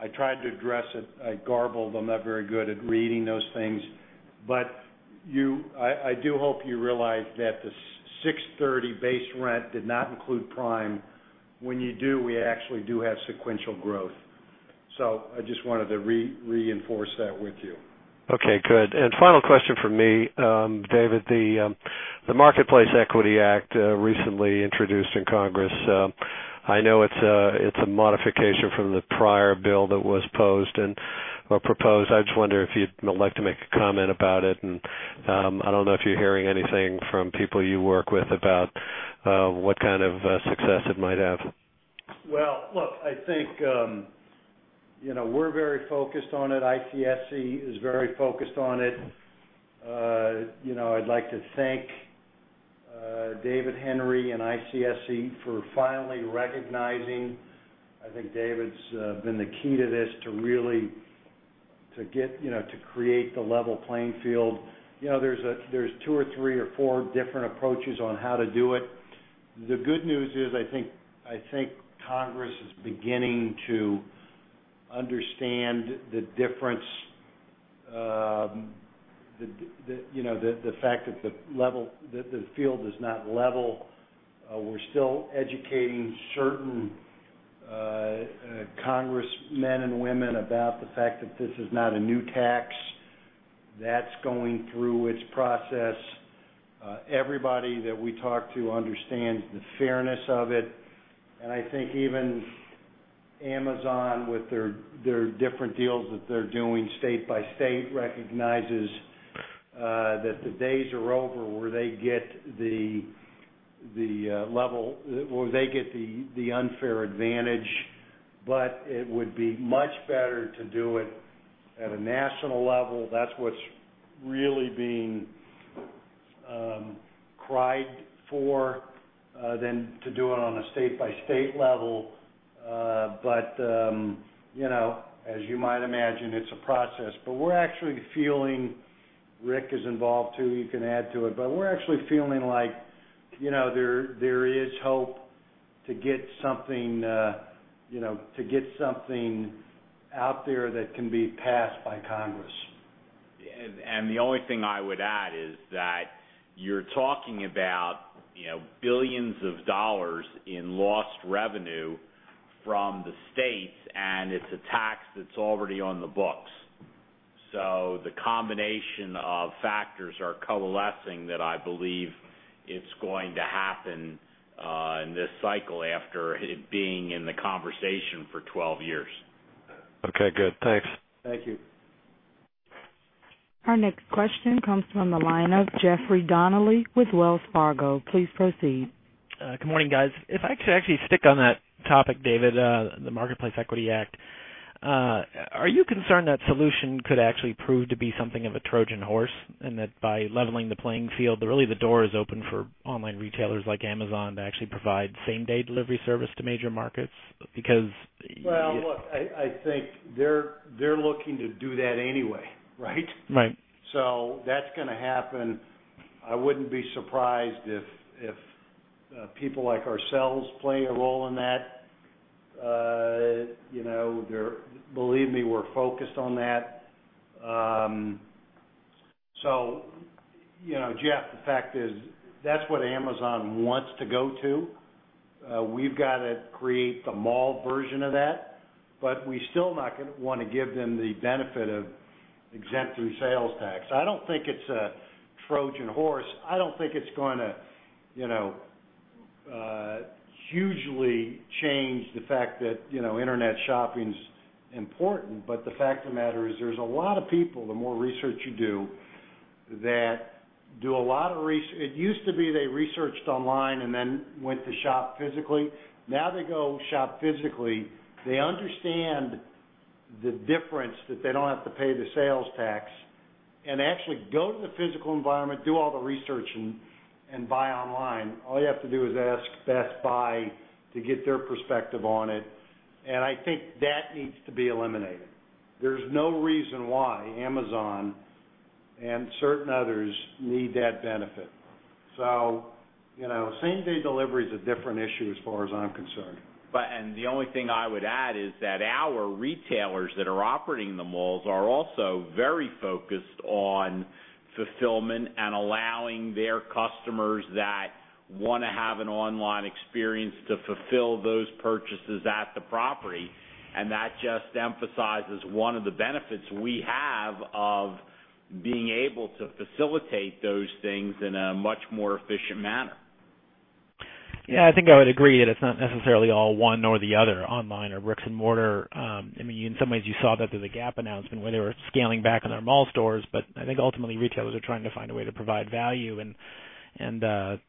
I tried to address it. I garbled. I'm not very good at reading those things. I do hope you realize that the $6.30 base rent did not include Prime. When you do, we actually do have sequential growth. I just wanted to reinforce that with you. Okay. Good. Final question for me, David. The Marketplace Equity Act recently introduced in Congress, I know it's a modification from the prior bill that was proposed. I just wonder if you'd like to make a comment about it. I don't know if you're hearing anything from people you work with about what kind of success it might have. I think, you know, we're very focused on it. ICSC is very focused on it. I'd like to thank David Henry and ICSC for finally recognizing, I think David's been the key to this, to really create the level playing field. There are two or three or four different approaches on how to do it. The good news is, I think Congress is beginning to understand the difference, the fact that the field is not level. We're still educating certain congressmen and women about the fact that this is not a new tax. That's going through its process. Everybody that we talk to understands the fairness of it. I think even Amazon, with their different deals that they're doing state by state, recognizes that the days are over where they get the unfair advantage. It would be much better to do it at a national level. That's what's really being cried for than to do it on a state-by-state level. As you might imagine, it's a process. We're actually feeling, Rick is involved too, you can add to it, but we're actually feeling like there is hope to get something out there that can be passed by Congress. The only thing I would add is that you're talking about billions of dollars in lost revenue from the states, and it's a tax that's already on the books. The combination of factors are coalescing that I believe it's going to happen in this cycle after it being in the conversation for 12 years. Okay, good. Thanks. Thank you. Our next question comes from the line of Jeffrey Donnelly with Wells Fargo. Please proceed. Good morning, guys. If I could actually stick on that topic, David, the Marketplace Equity Act, are you concerned that solution could actually prove to be something of a Trojan horse and that by leveling the playing field, really the door is open for online retailers like Amazon to actually provide same-day delivery service to major markets? I think they're looking to do that anyway, right? Right. That's going to happen. I wouldn't be surprised if people like ourselves play a role in that. Believe me, we're focused on that. Jeff, the fact is that's what Amazon wants to go to. We've got to create the mall version of that, but we still want to give them the benefit of exempting sales tax. I don't think it's a Trojan horse. I don't think it's going to hugely change the fact that internet shopping is important. The fact of the matter is there's a lot of people, the more research you do, that do a lot of research. It used to be they researched online and then went to shop physically. Now they go shop physically. They understand the difference that they don't have to pay the sales tax and actually go to the physical environment, do all the research, and buy online. All you have to do is ask Best Buy to get their perspective on it. I think that needs to be eliminated. There's no reason why Amazon and certain others need that benefit. Same-day delivery is a different issue as far as I'm concerned. The only thing I would add is that our retailers that are operating the malls are also very focused on fulfillment and allowing their customers that want to have an online experience to fulfill those purchases at the property. That just emphasizes one of the benefits we have of being able to facilitate those things in a much more efficient manner. Yeah, I think I would agree that it's not necessarily all one or the other, online or bricks and mortar. I mean, in some ways, you saw that through the Gap announcement where they were scaling back on their mall stores. I think ultimately, retailers are trying to find a way to provide value. In that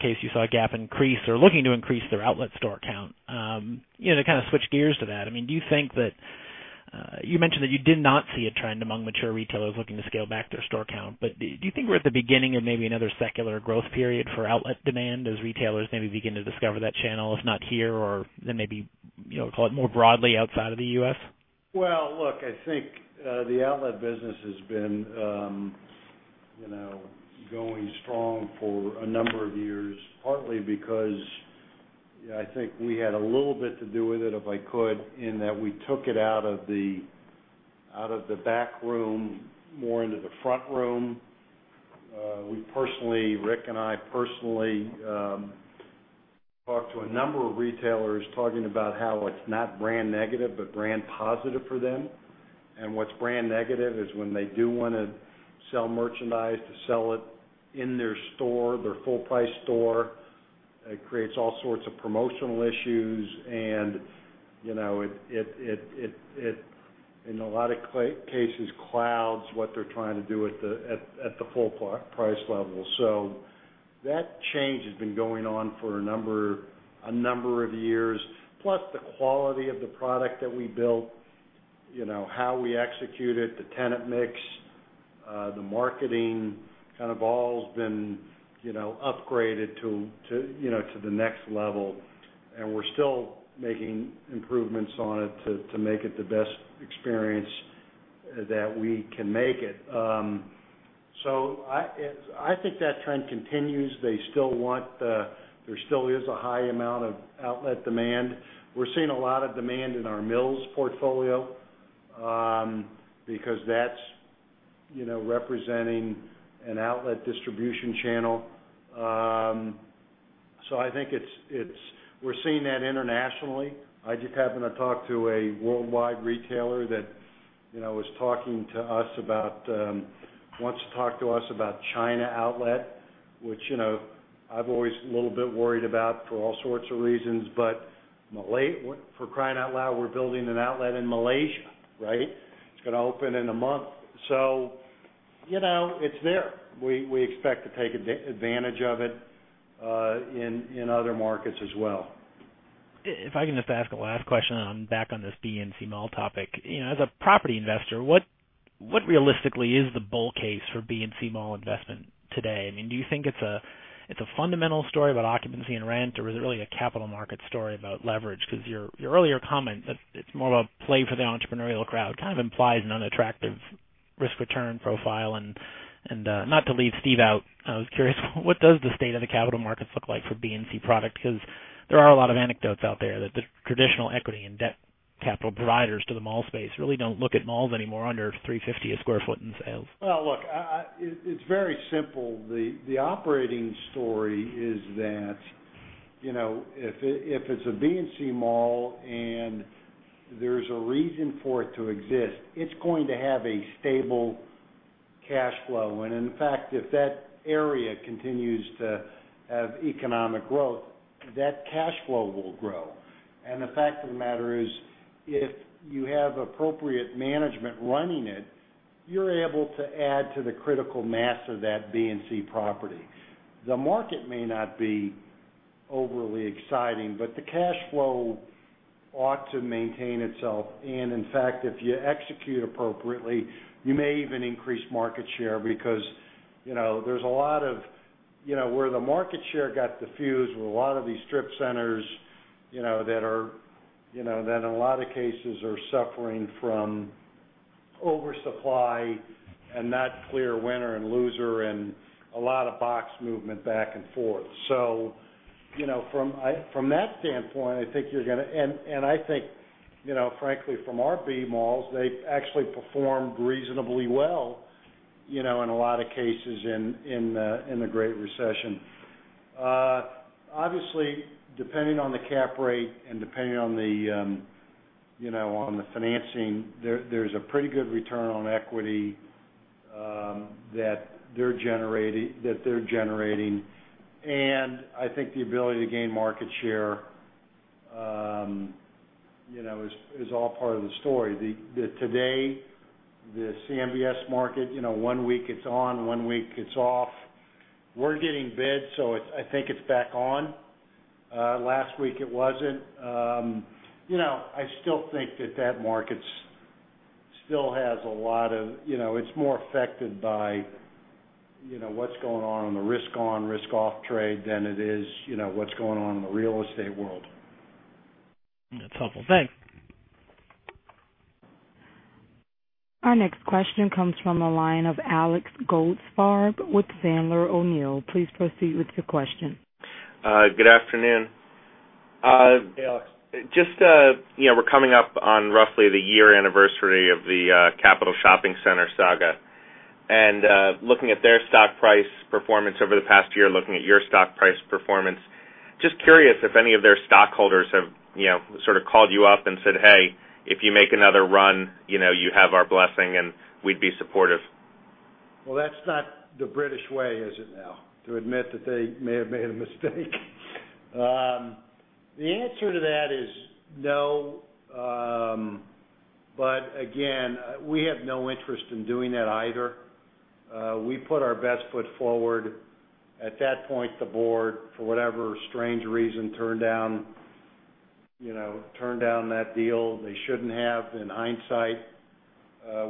case, you saw Gap increase or looking to increase their outlet store count. To kind of switch gears to that, do you think that you mentioned that you did not see a trend among mature retailers looking to scale back their store count, do you think we're at the beginning of maybe another secular growth period for outlet demand as retailers maybe begin to discover that channel, if not here, then maybe, you know, call it more broadly outside of the U.S.? I think the outlet business has been, you know, going strong for a number of years, partly because, you know, I think we had a little bit to do with it, if I could, in that we took it out of the back room more into the front room. Rick and I personally talked to a number of retailers talking about how it's not brand negative, but brand positive for them. What's brand negative is when they do want to sell merchandise to sell it in their store, their full-price store, it creates all sorts of promotional issues. In a lot of cases, it clouds what they're trying to do at the full price level. That change has been going on for a number of years. Plus, the quality of the product that we built, how we execute it, the tenant mix, the marketing, kind of all has been upgraded to the next level. We're still making improvements on it to make it the best experience that we can make it. I think that trend continues. There still is a high amount of outlet demand. We're seeing a lot of demand in our mills portfolio because that's representing an outlet distribution channel. I think we're seeing that internationally. I just happened to talk to a worldwide retailer that was talking to us about, wants to talk to us about China outlet, which, you know, I've always been a little bit worried about for all sorts of reasons. For crying out loud, we're building an outlet in Malaysia, right? It's going to open in a month. It's there. We expect to take advantage of it in other markets as well. If I can just ask a last question, and I'm back on this BNC Mall topic. You know, as a property investor, what realistically is the bull case for BNC Mall investment today? I mean, do you think it's a fundamental story about occupancy and rent, or is it really a capital market story about leverage? Because your earlier comment that it's more of a play for the entrepreneurial crowd kind of implies an unattractive risk return profile. Not to leave Steve out, I was curious, what does the state of the capital markets look like for BNC product? There are a lot of anecdotes out there that the traditional equity and debt capital providers to the mall space really don't look at malls anymore under $350 a square foot in sales. It's very simple. The operating story is that if it's a BNC mall and there's a reason for it to exist, it's going to have a stable cash flow. In fact, if that area continues to have economic growth, that cash flow will grow. The fact of the matter is, if you have appropriate management running it, you're able to add to the critical mass of that BNC property. The market may not be overly exciting, but the cash flow ought to maintain itself. In fact, if you execute appropriately, you may even increase market share because there's a lot of where the market share got diffused with a lot of these strip centers that are, in a lot of cases, suffering from oversupply and not clear winner and loser and a lot of box movement back and forth. From that standpoint, I think you're going to, and I think, frankly, from our B malls, they actually performed reasonably well in a lot of cases in the Great Recession. Obviously, depending on the cap rate and depending on the financing, there's a pretty good return on equity that they're generating. I think the ability to gain market share is all part of the story. Today, the CMBS market, one week it's on, one week it's off. We're getting bid, so I think it's back on. Last week it wasn't. I still think that market still has a lot of, it's more affected by what's going on in the risk on, risk off trade than it is what's going on in the real estate world. That's helpful. Thanks. Our Next question comes from the line of Alex Goldfarb with Sandler O'Neill. Please proceed with your question. Good afternoon. Hey, Alex. We're coming up on roughly the year anniversary of the Capital Shopping Center saga. Looking at their stock price performance over the past year, looking at your stock price performance, just curious if any of their stockholders have called you up and said, "Hey, if you make another run, you have our blessing and we'd be supportive. That's not the British way, is it now, to admit that they may have made a mistake? The answer to that is no. We have no interest in doing that either. We put our best foot forward. At that point, the board, for whatever strange reason, turned down that deal they shouldn't have in hindsight.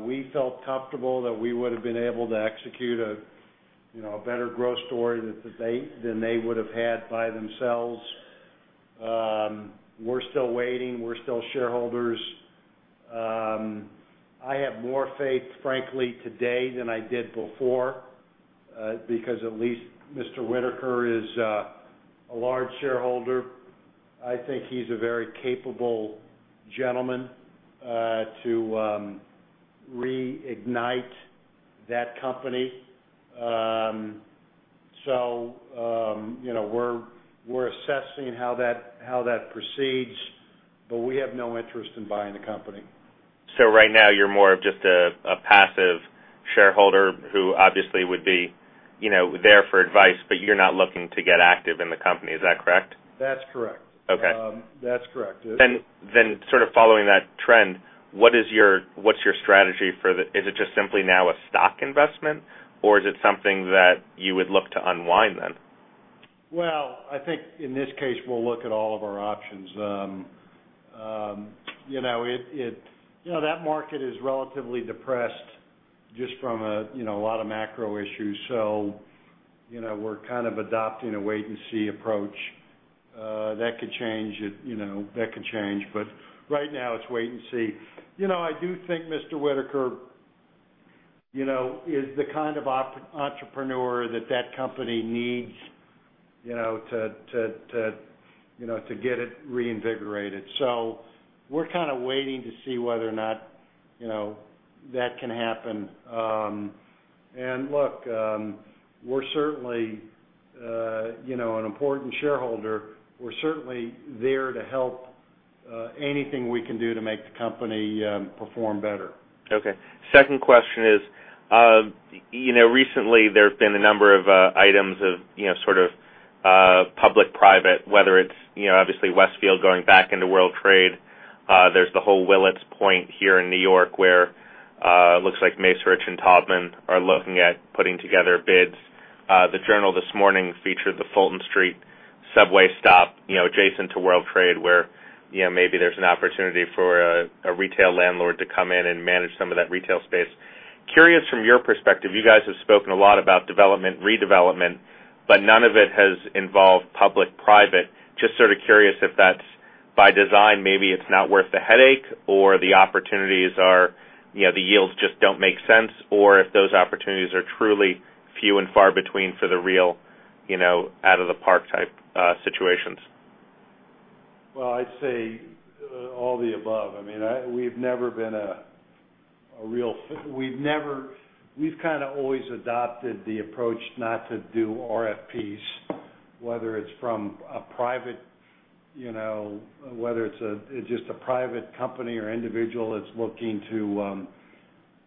We felt comfortable that we would have been able to execute a better growth story than they would have had by themselves. We're still waiting. We're still shareholders. I have more faith, frankly, today than I did before, because at least Mr. Whitaker is a large shareholder. I think he's a very capable gentleman, to reignite that company. We're assessing how that proceeds, but we have no interest in buying the company. Right now, you're more of just a passive shareholder who obviously would be there for advice, but you're not looking to get active in the company. Is that correct? That's correct. Okay. That's correct. Following that trend, what is your strategy for the, is it just simply now a stock investment, or is it something that you would look to unwind then? I think in this case, we'll look at all of our options. That market is relatively depressed just from a lot of macro issues. We're kind of adopting a wait-and-see approach. That could change, that could change. Right now, it's wait and see. I do think Mr. Whitaker is the kind of entrepreneur that that company needs to get it reinvigorated. We're kind of waiting to see whether or not that can happen. We're certainly an important shareholder. We're certainly there to help anything we can do to make the company perform better. Okay. Second question is, you know, recently, there have been a number of items of, you know, sort of public-private, whether it's, you know, obviously Westfield going back into World Trade. There's the whole Willets Point here in New York where it looks like Maysurich and Taubman are looking at putting together bids. The Journal this morning featured the Fulton Street subway stop, you know, adjacent to World Trade where, you know, maybe there's an opportunity for a retail landlord to come in and manage some of that retail space. Curious from your perspective, you guys have spoken a lot about development, redevelopment, but none of it has involved public-private. Just sort of curious if that's by design, maybe it's not worth the headache or the opportunities are, you know, the yields just don't make sense, or if those opportunities are truly few and far between for the real, you know, out-of-the-park type situations. I'd say all the above. I mean, we've never been a real, we've kind of always adopted the approach not to do RFPs, whether it's from a private, you know, whether it's just a private company or individual that's looking to,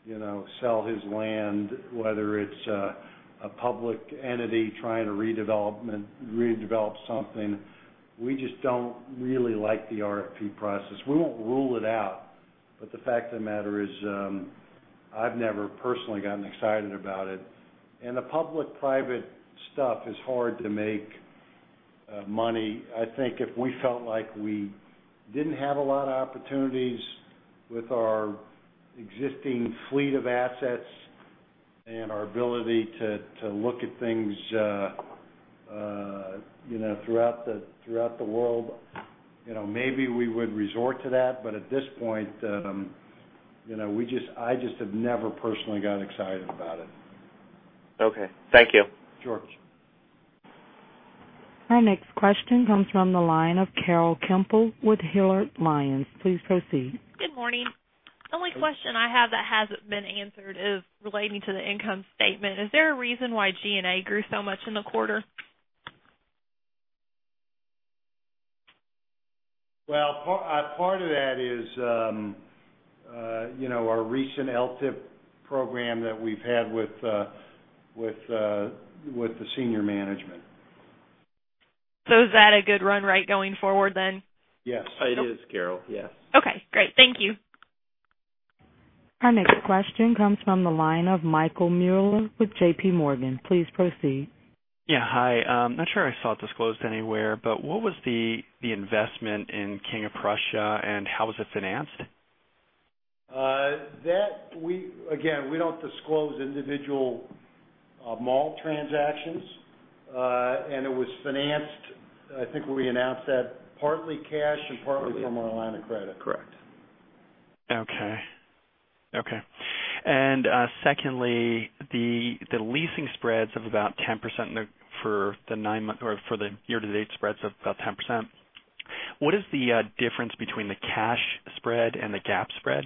you know, sell his land, whether it's a public entity trying to redevelop something. We just don't really like the RFP process. We won't rule it out. The fact of the matter is, I've never personally gotten excited about it. The public-private stuff is hard to make money. I think if we felt like we didn't have a lot of opportunities with our existing fleet of assets and our ability to look at things, you know, throughout the world, you know, maybe we would resort to that. At this point, I just have never personally got excited about it. Okay, thank you. Sure. Our next question comes from the line of Carol Kemple with Hilliard Lyons. Please proceed. Good morning. The only question I have that hasn't been answered is relating to the income statement. Is there a reason why G&A grew so much in the quarter? Part of that is, you know, our recent LTIP program that we've had with the Senior Management. Is that a good run rate going forward then? Yes, it is, Carol. Yes. Okay. Great. Thank you. Our next question comes from the line of Michael Muller with JPMorgan. Please proceed. Yeah. Hi. I'm not sure I saw it disclosed anywhere, but what was the investment in King of Prussia and how was it financed? Again, we don't disclose individual mall transactions. It was financed, I think we announced that, partly cash and partly from Atlanta Credit. Correct. Okay. The leasing spreads of about 10% for the nine-month or for the year-to-date spreads of about 10%. What is the difference between the cash spread and the GAAP spread?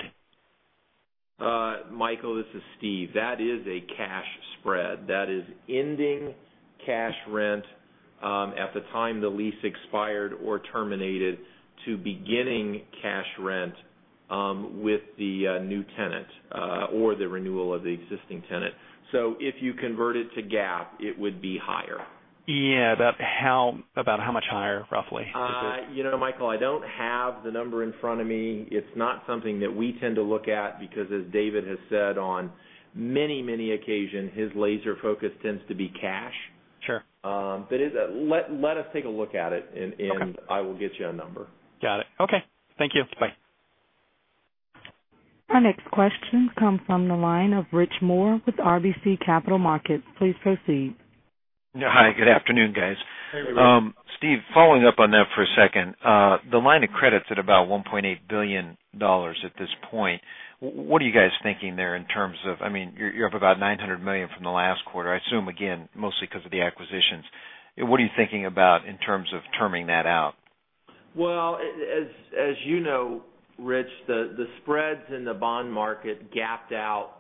Michael, this is Steve. That is a cash spread. That is ending cash rent at the time the lease expired or terminated to beginning cash rent with the new tenant or the renewal of the existing tenant. If you convert it to GAAP, it would be higher. Yeah, about how much higher, roughly? You know. Michael, I don't have the number in front of me. It's not something that we tend to look at because, as David has said on many, many occasions, his laser focus tends to be cash. Sure. Let us take a look at it, and I will get you a number. Got it. Okay, thank you. Bye. Our next question comes from the line of Rich Moore with RBC Capital Markets. Please proceed. Yeah. Hi. Good afternoon, guys. Hey, everybody. Steve, following up on that for a second. The line of credit's at about $1.8 billion at this point. What are you guys thinking there in terms of, I mean, you're up about $900 million from the last quarter, I assume, again, mostly because of the acquisitions. What are you thinking about in terms of turning that out? As you know, Rich, the spreads in the bond market gapped out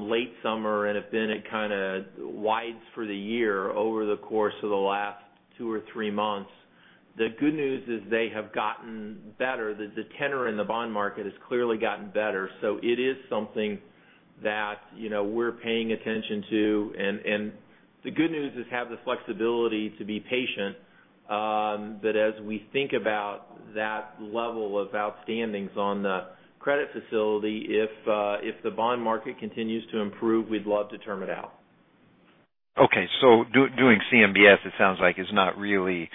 late summer, and then it kind of widened for the year over the course of the last two or three months. The good news is they have gotten better. The tenor in the bond market has clearly gotten better. It is something that, you know, we're paying attention to. The good news is we have the flexibility to be patient that as we think about that level of outstandings on the credit facility, if the bond market continues to improve, we'd love to turn it out. Okay. Doing CMBS, it sounds like, is not really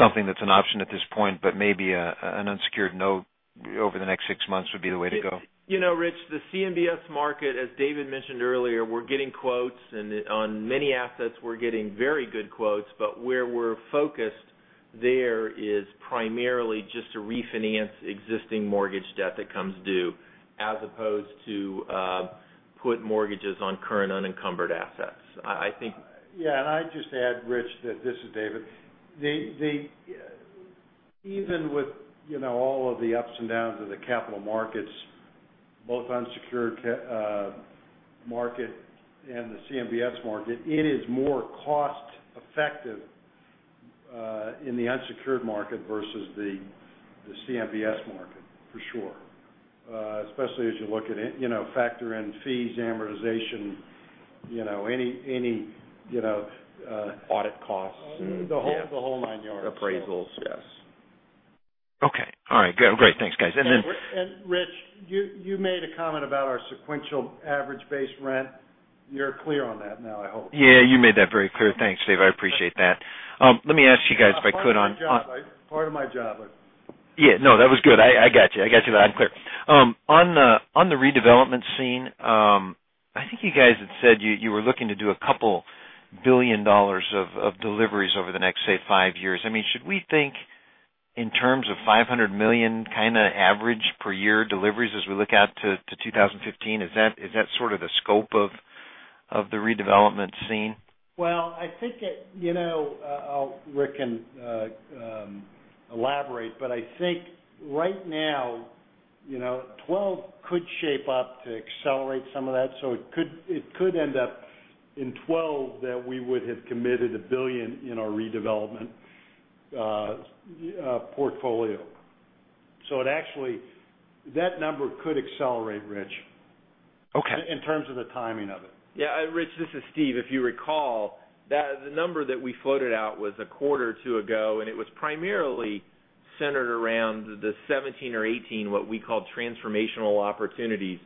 something that's an option at this point, but maybe an unsecured note over the next six months would be the way to go. You know, Rich, the CMBS market, as David mentioned earlier, we're getting quotes and on many assets, we're getting very good quotes. Where we're focused there is primarily just to refinance existing mortgage debt that comes due, as opposed to put mortgages on current unencumbered assets. I think. Yeah. I'd just add, Rich, that this is David. Even with all of the ups and downs of the capital markets, both unsecured market and the CMBS market, it is more cost-effective in the unsecured market versus the CMBS market, for sure. Especially as you look at it, factor in fees, amortization, any audit costs, the whole nine yards. Appraisals, yes. Okay. All right. Great. Thanks, guys. Rich, you made a comment about our sequential average-based rent. You're clear on that now, I hope. Yeah, you made that very clear. Thanks, Steve. I appreciate that. Let me ask you guys if I could. Part of my job. Yeah, that was good. I got you. I'm clear. On the redevelopment scene, I think you guys had said you were looking to do a couple billion dollars of deliveries over the next, say, five years. I mean, should we think in terms of $500 million kind of average per year deliveries as we look out to 2015? Is that sort of the scope of the redevelopment scene? I think that, you know, I'll let Rick elaborate, but I think right now, you know, 2012 could shape up to accelerate some of that. It could end up in 2012 that we would have committed $1 billion in our redevelopment portfolio. It actually, that number could accelerate, Rich. Okay. In terms of the timing of it. Yeah. Rich, this is Steve. If you recall, the number that we floated out was a quarter or two ago, and it was primarily centered around the 2017 or 2018, what we called transformational opportunities.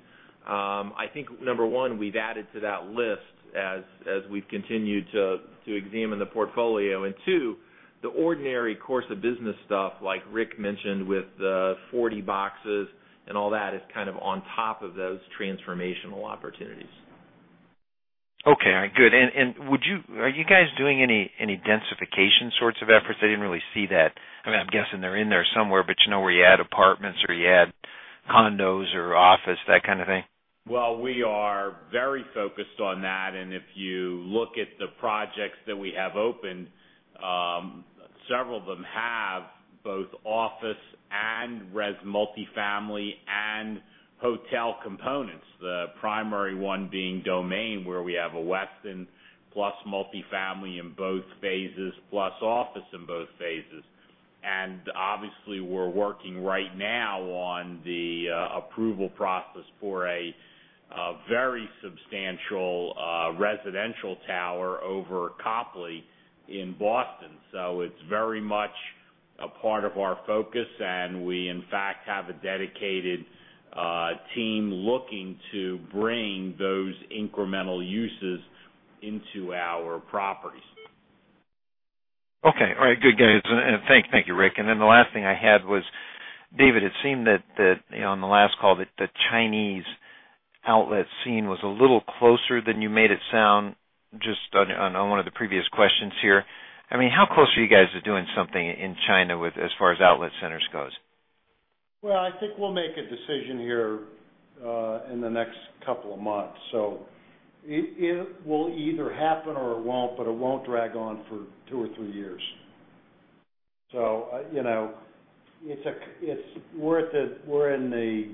I think, number one, we've added to that list as we've continued to examine the portfolio. Two, the ordinary course of business stuff, like Rick mentioned with the 40 boxes and all that, is kind of on top of those transformational opportunities. Okay. All right. Good. Are you guys doing any densification sorts of efforts? I didn't really see that. I'm guessing they're in there somewhere, but you know where you add apartments or you add condos or office, that kind of thing? We are very focused on that. If you look at the projects that we have opened, several of them have both office and multifamily and hotel components, the primary one being Domain, where we have a Westin plus multifamily in both phases, plus office in both phases. Obviously, we're working right now on the approval process for a very substantial residential tower over Copley in Boston. It is very much a part of our focus, and we, in fact, have a dedicated team looking to bring those incremental uses into our properties. Okay. All right. Good, guys. Thank you, Rick. The last thing I had was, David, it seemed that, you know, on the last call, that the Chinese outlet scene was a little closer than you made it sound just on one of the previous questions here. I mean, how close are you guys to doing something in China as far as outlet centers goes? I think we'll make a decision here in the next couple of months. It will either happen or it won't, but it won't drag on for two or three years. We're in the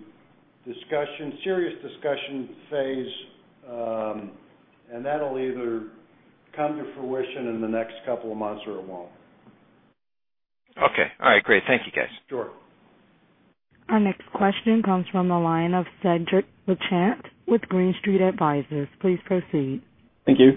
serious discussion phase, and that'll either come to fruition in the next couple of months or it won't. Okay. All right. Great. Thank you, guys. Sure. Our next question comes from the line of Cedrik Lachance with Green Street Advisors. Please proceed. Thank you.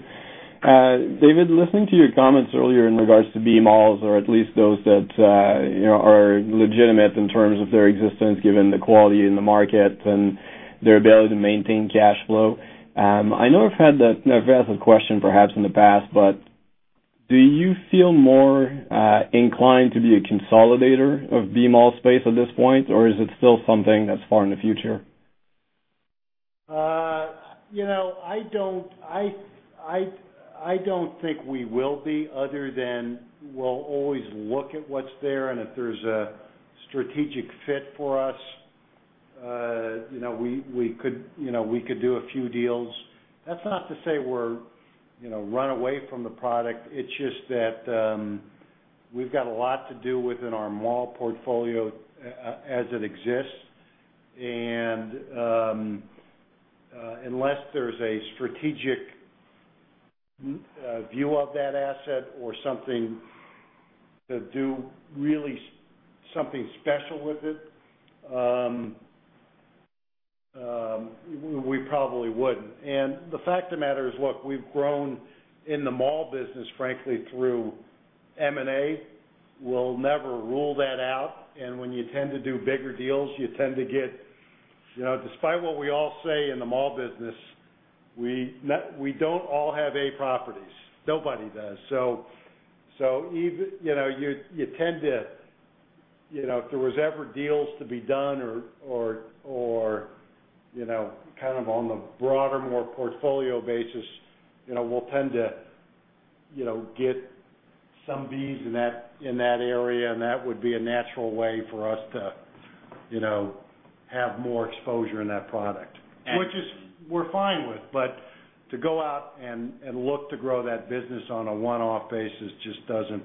David, listening to your comments earlier in regards to B-malls, or at least those that are legitimate in terms of their existence, given the quality in the market and their ability to maintain cash flow, I know I've asked that question perhaps in the past, but do you feel more inclined to be a consolidator of B-mall space at this point, or is it still something that's far in the future? I don't think we will be, other than we'll always look at what's there. If there's a strategic fit for us, we could do a few deals. That's not to say we run away from the product. It's just that we've got a lot to do within our mall portfolio as it exists. Unless there's a strategic view of that asset or something to do, really something special with it, we probably wouldn't. The fact of the matter is, look, we've grown in the mall business, frankly, through M&A. We'll never rule that out. When you tend to do bigger deals, you tend to get, despite what we all say in the mall business, we don't all have A properties. Nobody does. Even if there was ever deals to be done, or kind of on the broader, more portfolio basis, we'll tend to get some Bs in that area. That would be a natural way for us to have more exposure in that product, which we're fine with. To go out and look to grow that business on a one-off basis just doesn't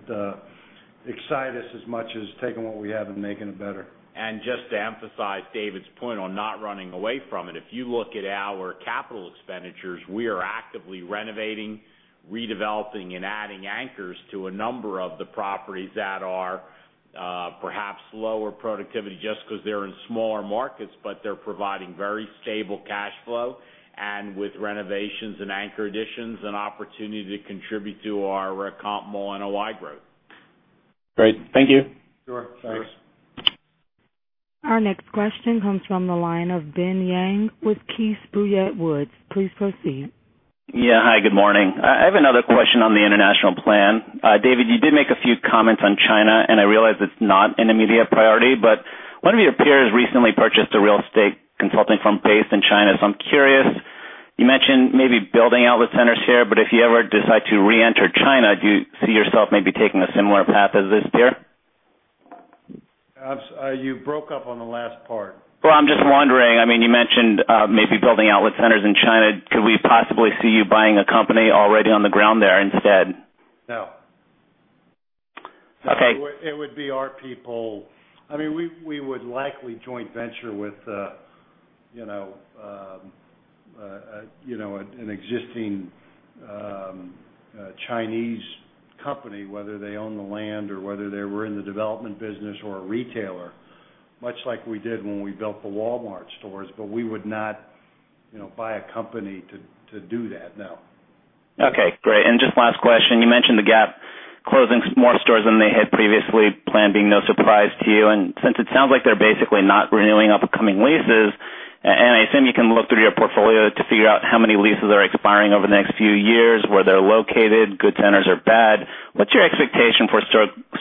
excite us as much as taking what we have and making it better. To emphasize David's point on not running away from it, if you look at our capital expenditures, we are actively renovating, redeveloping, and adding anchors to a number of the properties that are perhaps lower productivity just because they're in smaller markets, but they're providing very stable cash flow, and with renovations and anchor additions, an opportunity to contribute to our comp mall and our wide growth. Great. Thank you. Sure. Thanks. Our next question comes from the line of Ben Yang with Keith Boulette Woods. Please proceed. Yeah. Hi. Good morning. I have another question on the international plan. David, you did make a few comments on China, and I realize it's not an immediate priority, but one of your peers recently purchased a real estate consulting firm based in China. I'm curious, you mentioned maybe building outlet centers here, but if you ever decide to reenter China, do you see yourself maybe taking a similar path as this peer? You broke up on the last part. I'm just wondering, you mentioned maybe building outlet centers in China. Could we possibly see you buying a company already on the ground there instead? No. Okay. It would be our people. I mean, we would likely joint venture with, you know, an existing Chinese company, whether they own the land or whether they were in the development business or a retailer, much like we did when we built the Walmart stores. We would not, you know, buy a company to do that. No. Okay. Great. Just last question. You mentioned Gap closing more stores than they had previously planned being no surprise to you. Since it sounds like they're basically not renewing upcoming leases, and I assume you can look through your portfolio to figure out how many leases are expiring over the next few years, where they're located, good centers or bad, what's your expectation for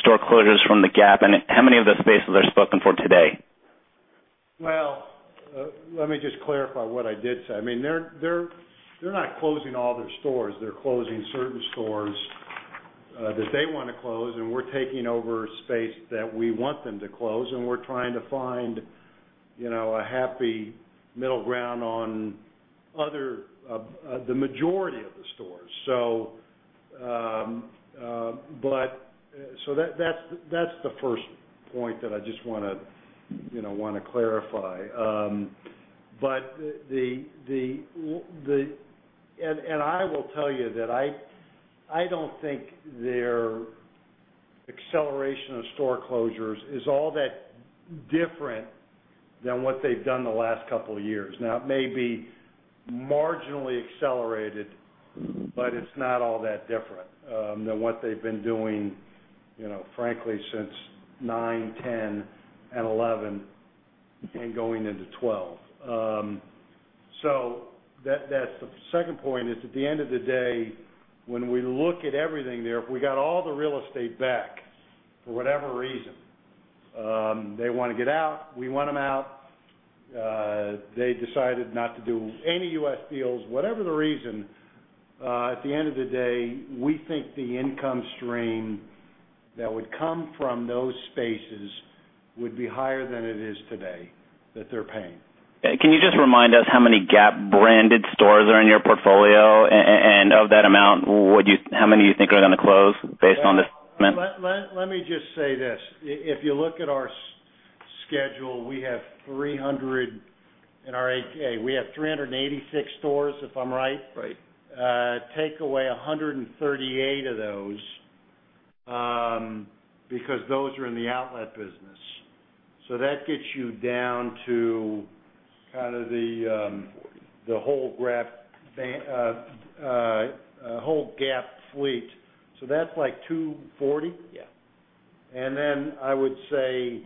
store closures from Gap, and how many of those spaces are spoken for today? Let me just clarify what I did say. I mean, they're not closing all their stores. They're closing certain stores that they want to close, and we're taking over space that we want them to close, and we're trying to find a happy middle ground on the majority of the stores. That's the first point that I want to clarify. I will tell you that I don't think their acceleration of store closures is all that different than what they've done the last couple of years. It may be marginally accelerated, but it's not all that different than what they've been doing, frankly, since 2009, 2010, and 2011 and going into 2012. The second point is at the end of the day, when we look at everything there, if we got all the real estate back for whatever reason, they want to get out, we want them out, they decided not to do any U.S. deals, whatever the reason, at the end of the day, we think the income stream that would come from those spaces would be higher than it is today that they're paying. Can you just remind us how many Gap-branded stores are in your portfolio? Of that amount, would you, how many do you think are going to close based on this? Let me just say this. If you look at our schedule, we have 300 in our 8-K, we have 386 stores, if I'm right. Right. Take away 138 of those because those are in the outlet business. That gets you down to kind of the whole Gap fleet, so that's like 240. Yeah. I would say,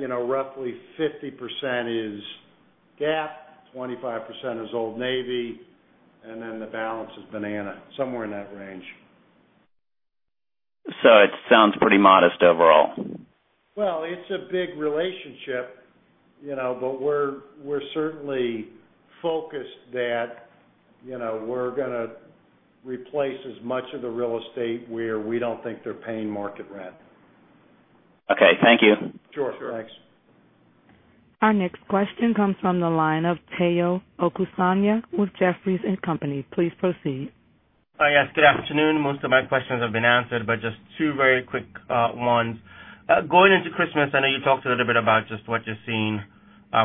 you know, roughly 50% is Gap, 25% is Old Navy, and then the balance is Banana, somewhere in that range. It sounds pretty modest overall. It's a big relationship, you know, but we're certainly focused that, you know, we're going to replace as much of the real estate where we don't think they're paying market rent. Okay, thank you. Sure. Thanks. Our next question comes from the line of Omotayo Okusanya with Jefferies & Company. Please proceed. Hi. Yes. Good afternoon. Most of my questions have been answered, but just two very quick ones. Going into Christmas, I know you talked a little bit about just what you're seeing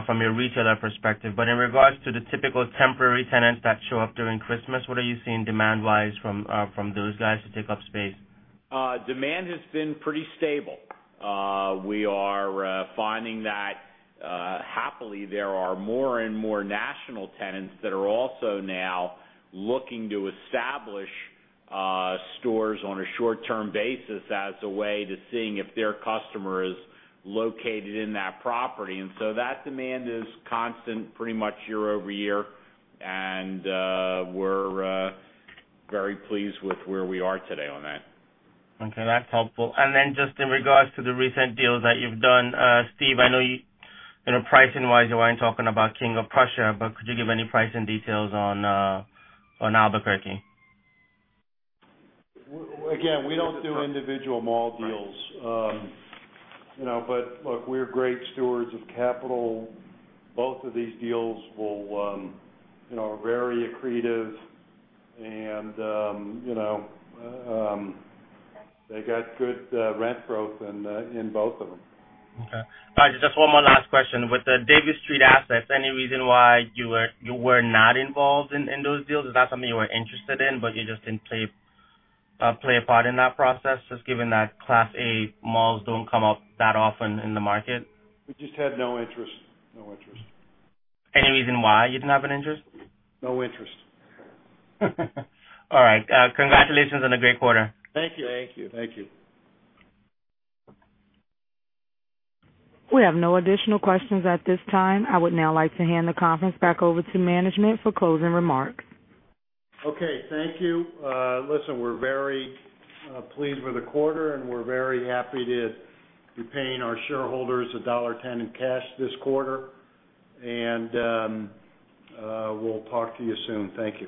from your retailer perspective, but in regards to the typical temporary tenants that show up during Christmas, what are you seeing demand-wise from those guys to take up space? Demand has been pretty stable. We are finding that, happily, there are more and more national tenants that are also now looking to establish stores on a short-term basis as a way to see if their customer is located in that property. That demand is constant pretty much year-over-year. We're very pleased with where we are today on that. Okay. That's helpful. Just in regards to the recent deals that you've done, Steve, I know you know pricing-wise you weren't talking about King of Prussia, but could you give any pricing details on Albuquerque? Again, we don't do individual mall deals. You know, look, we're great stewards of capital. Both of these deals are very accretive. You know, they got good rent growth in both of them. Okay. All right. Just one last question. With the Davis Street assets, any reason why you were not involved in those deals? Is that something you were interested in, but you just didn't play a part in that process, just given that Class A malls don't come up that often in the market? We just had no interest. No interest. Any reason why you didn't have an interest? No interest. All right. Congratulations on a great quarter. Thank you. Thank you. Thank you. We have no additional questions at this time. I would now like to hand the conference back over to management for closing remarks. Okay. Thank you. Listen, we're very pleased with the quarter, and we're very happy to be paying our shareholders $1.10 in cash this quarter. We'll talk to you soon. Thank you.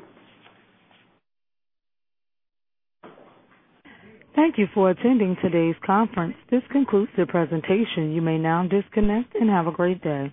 Thank you for attending today's conference. This concludes the presentation. You may now disconnect and have a great day.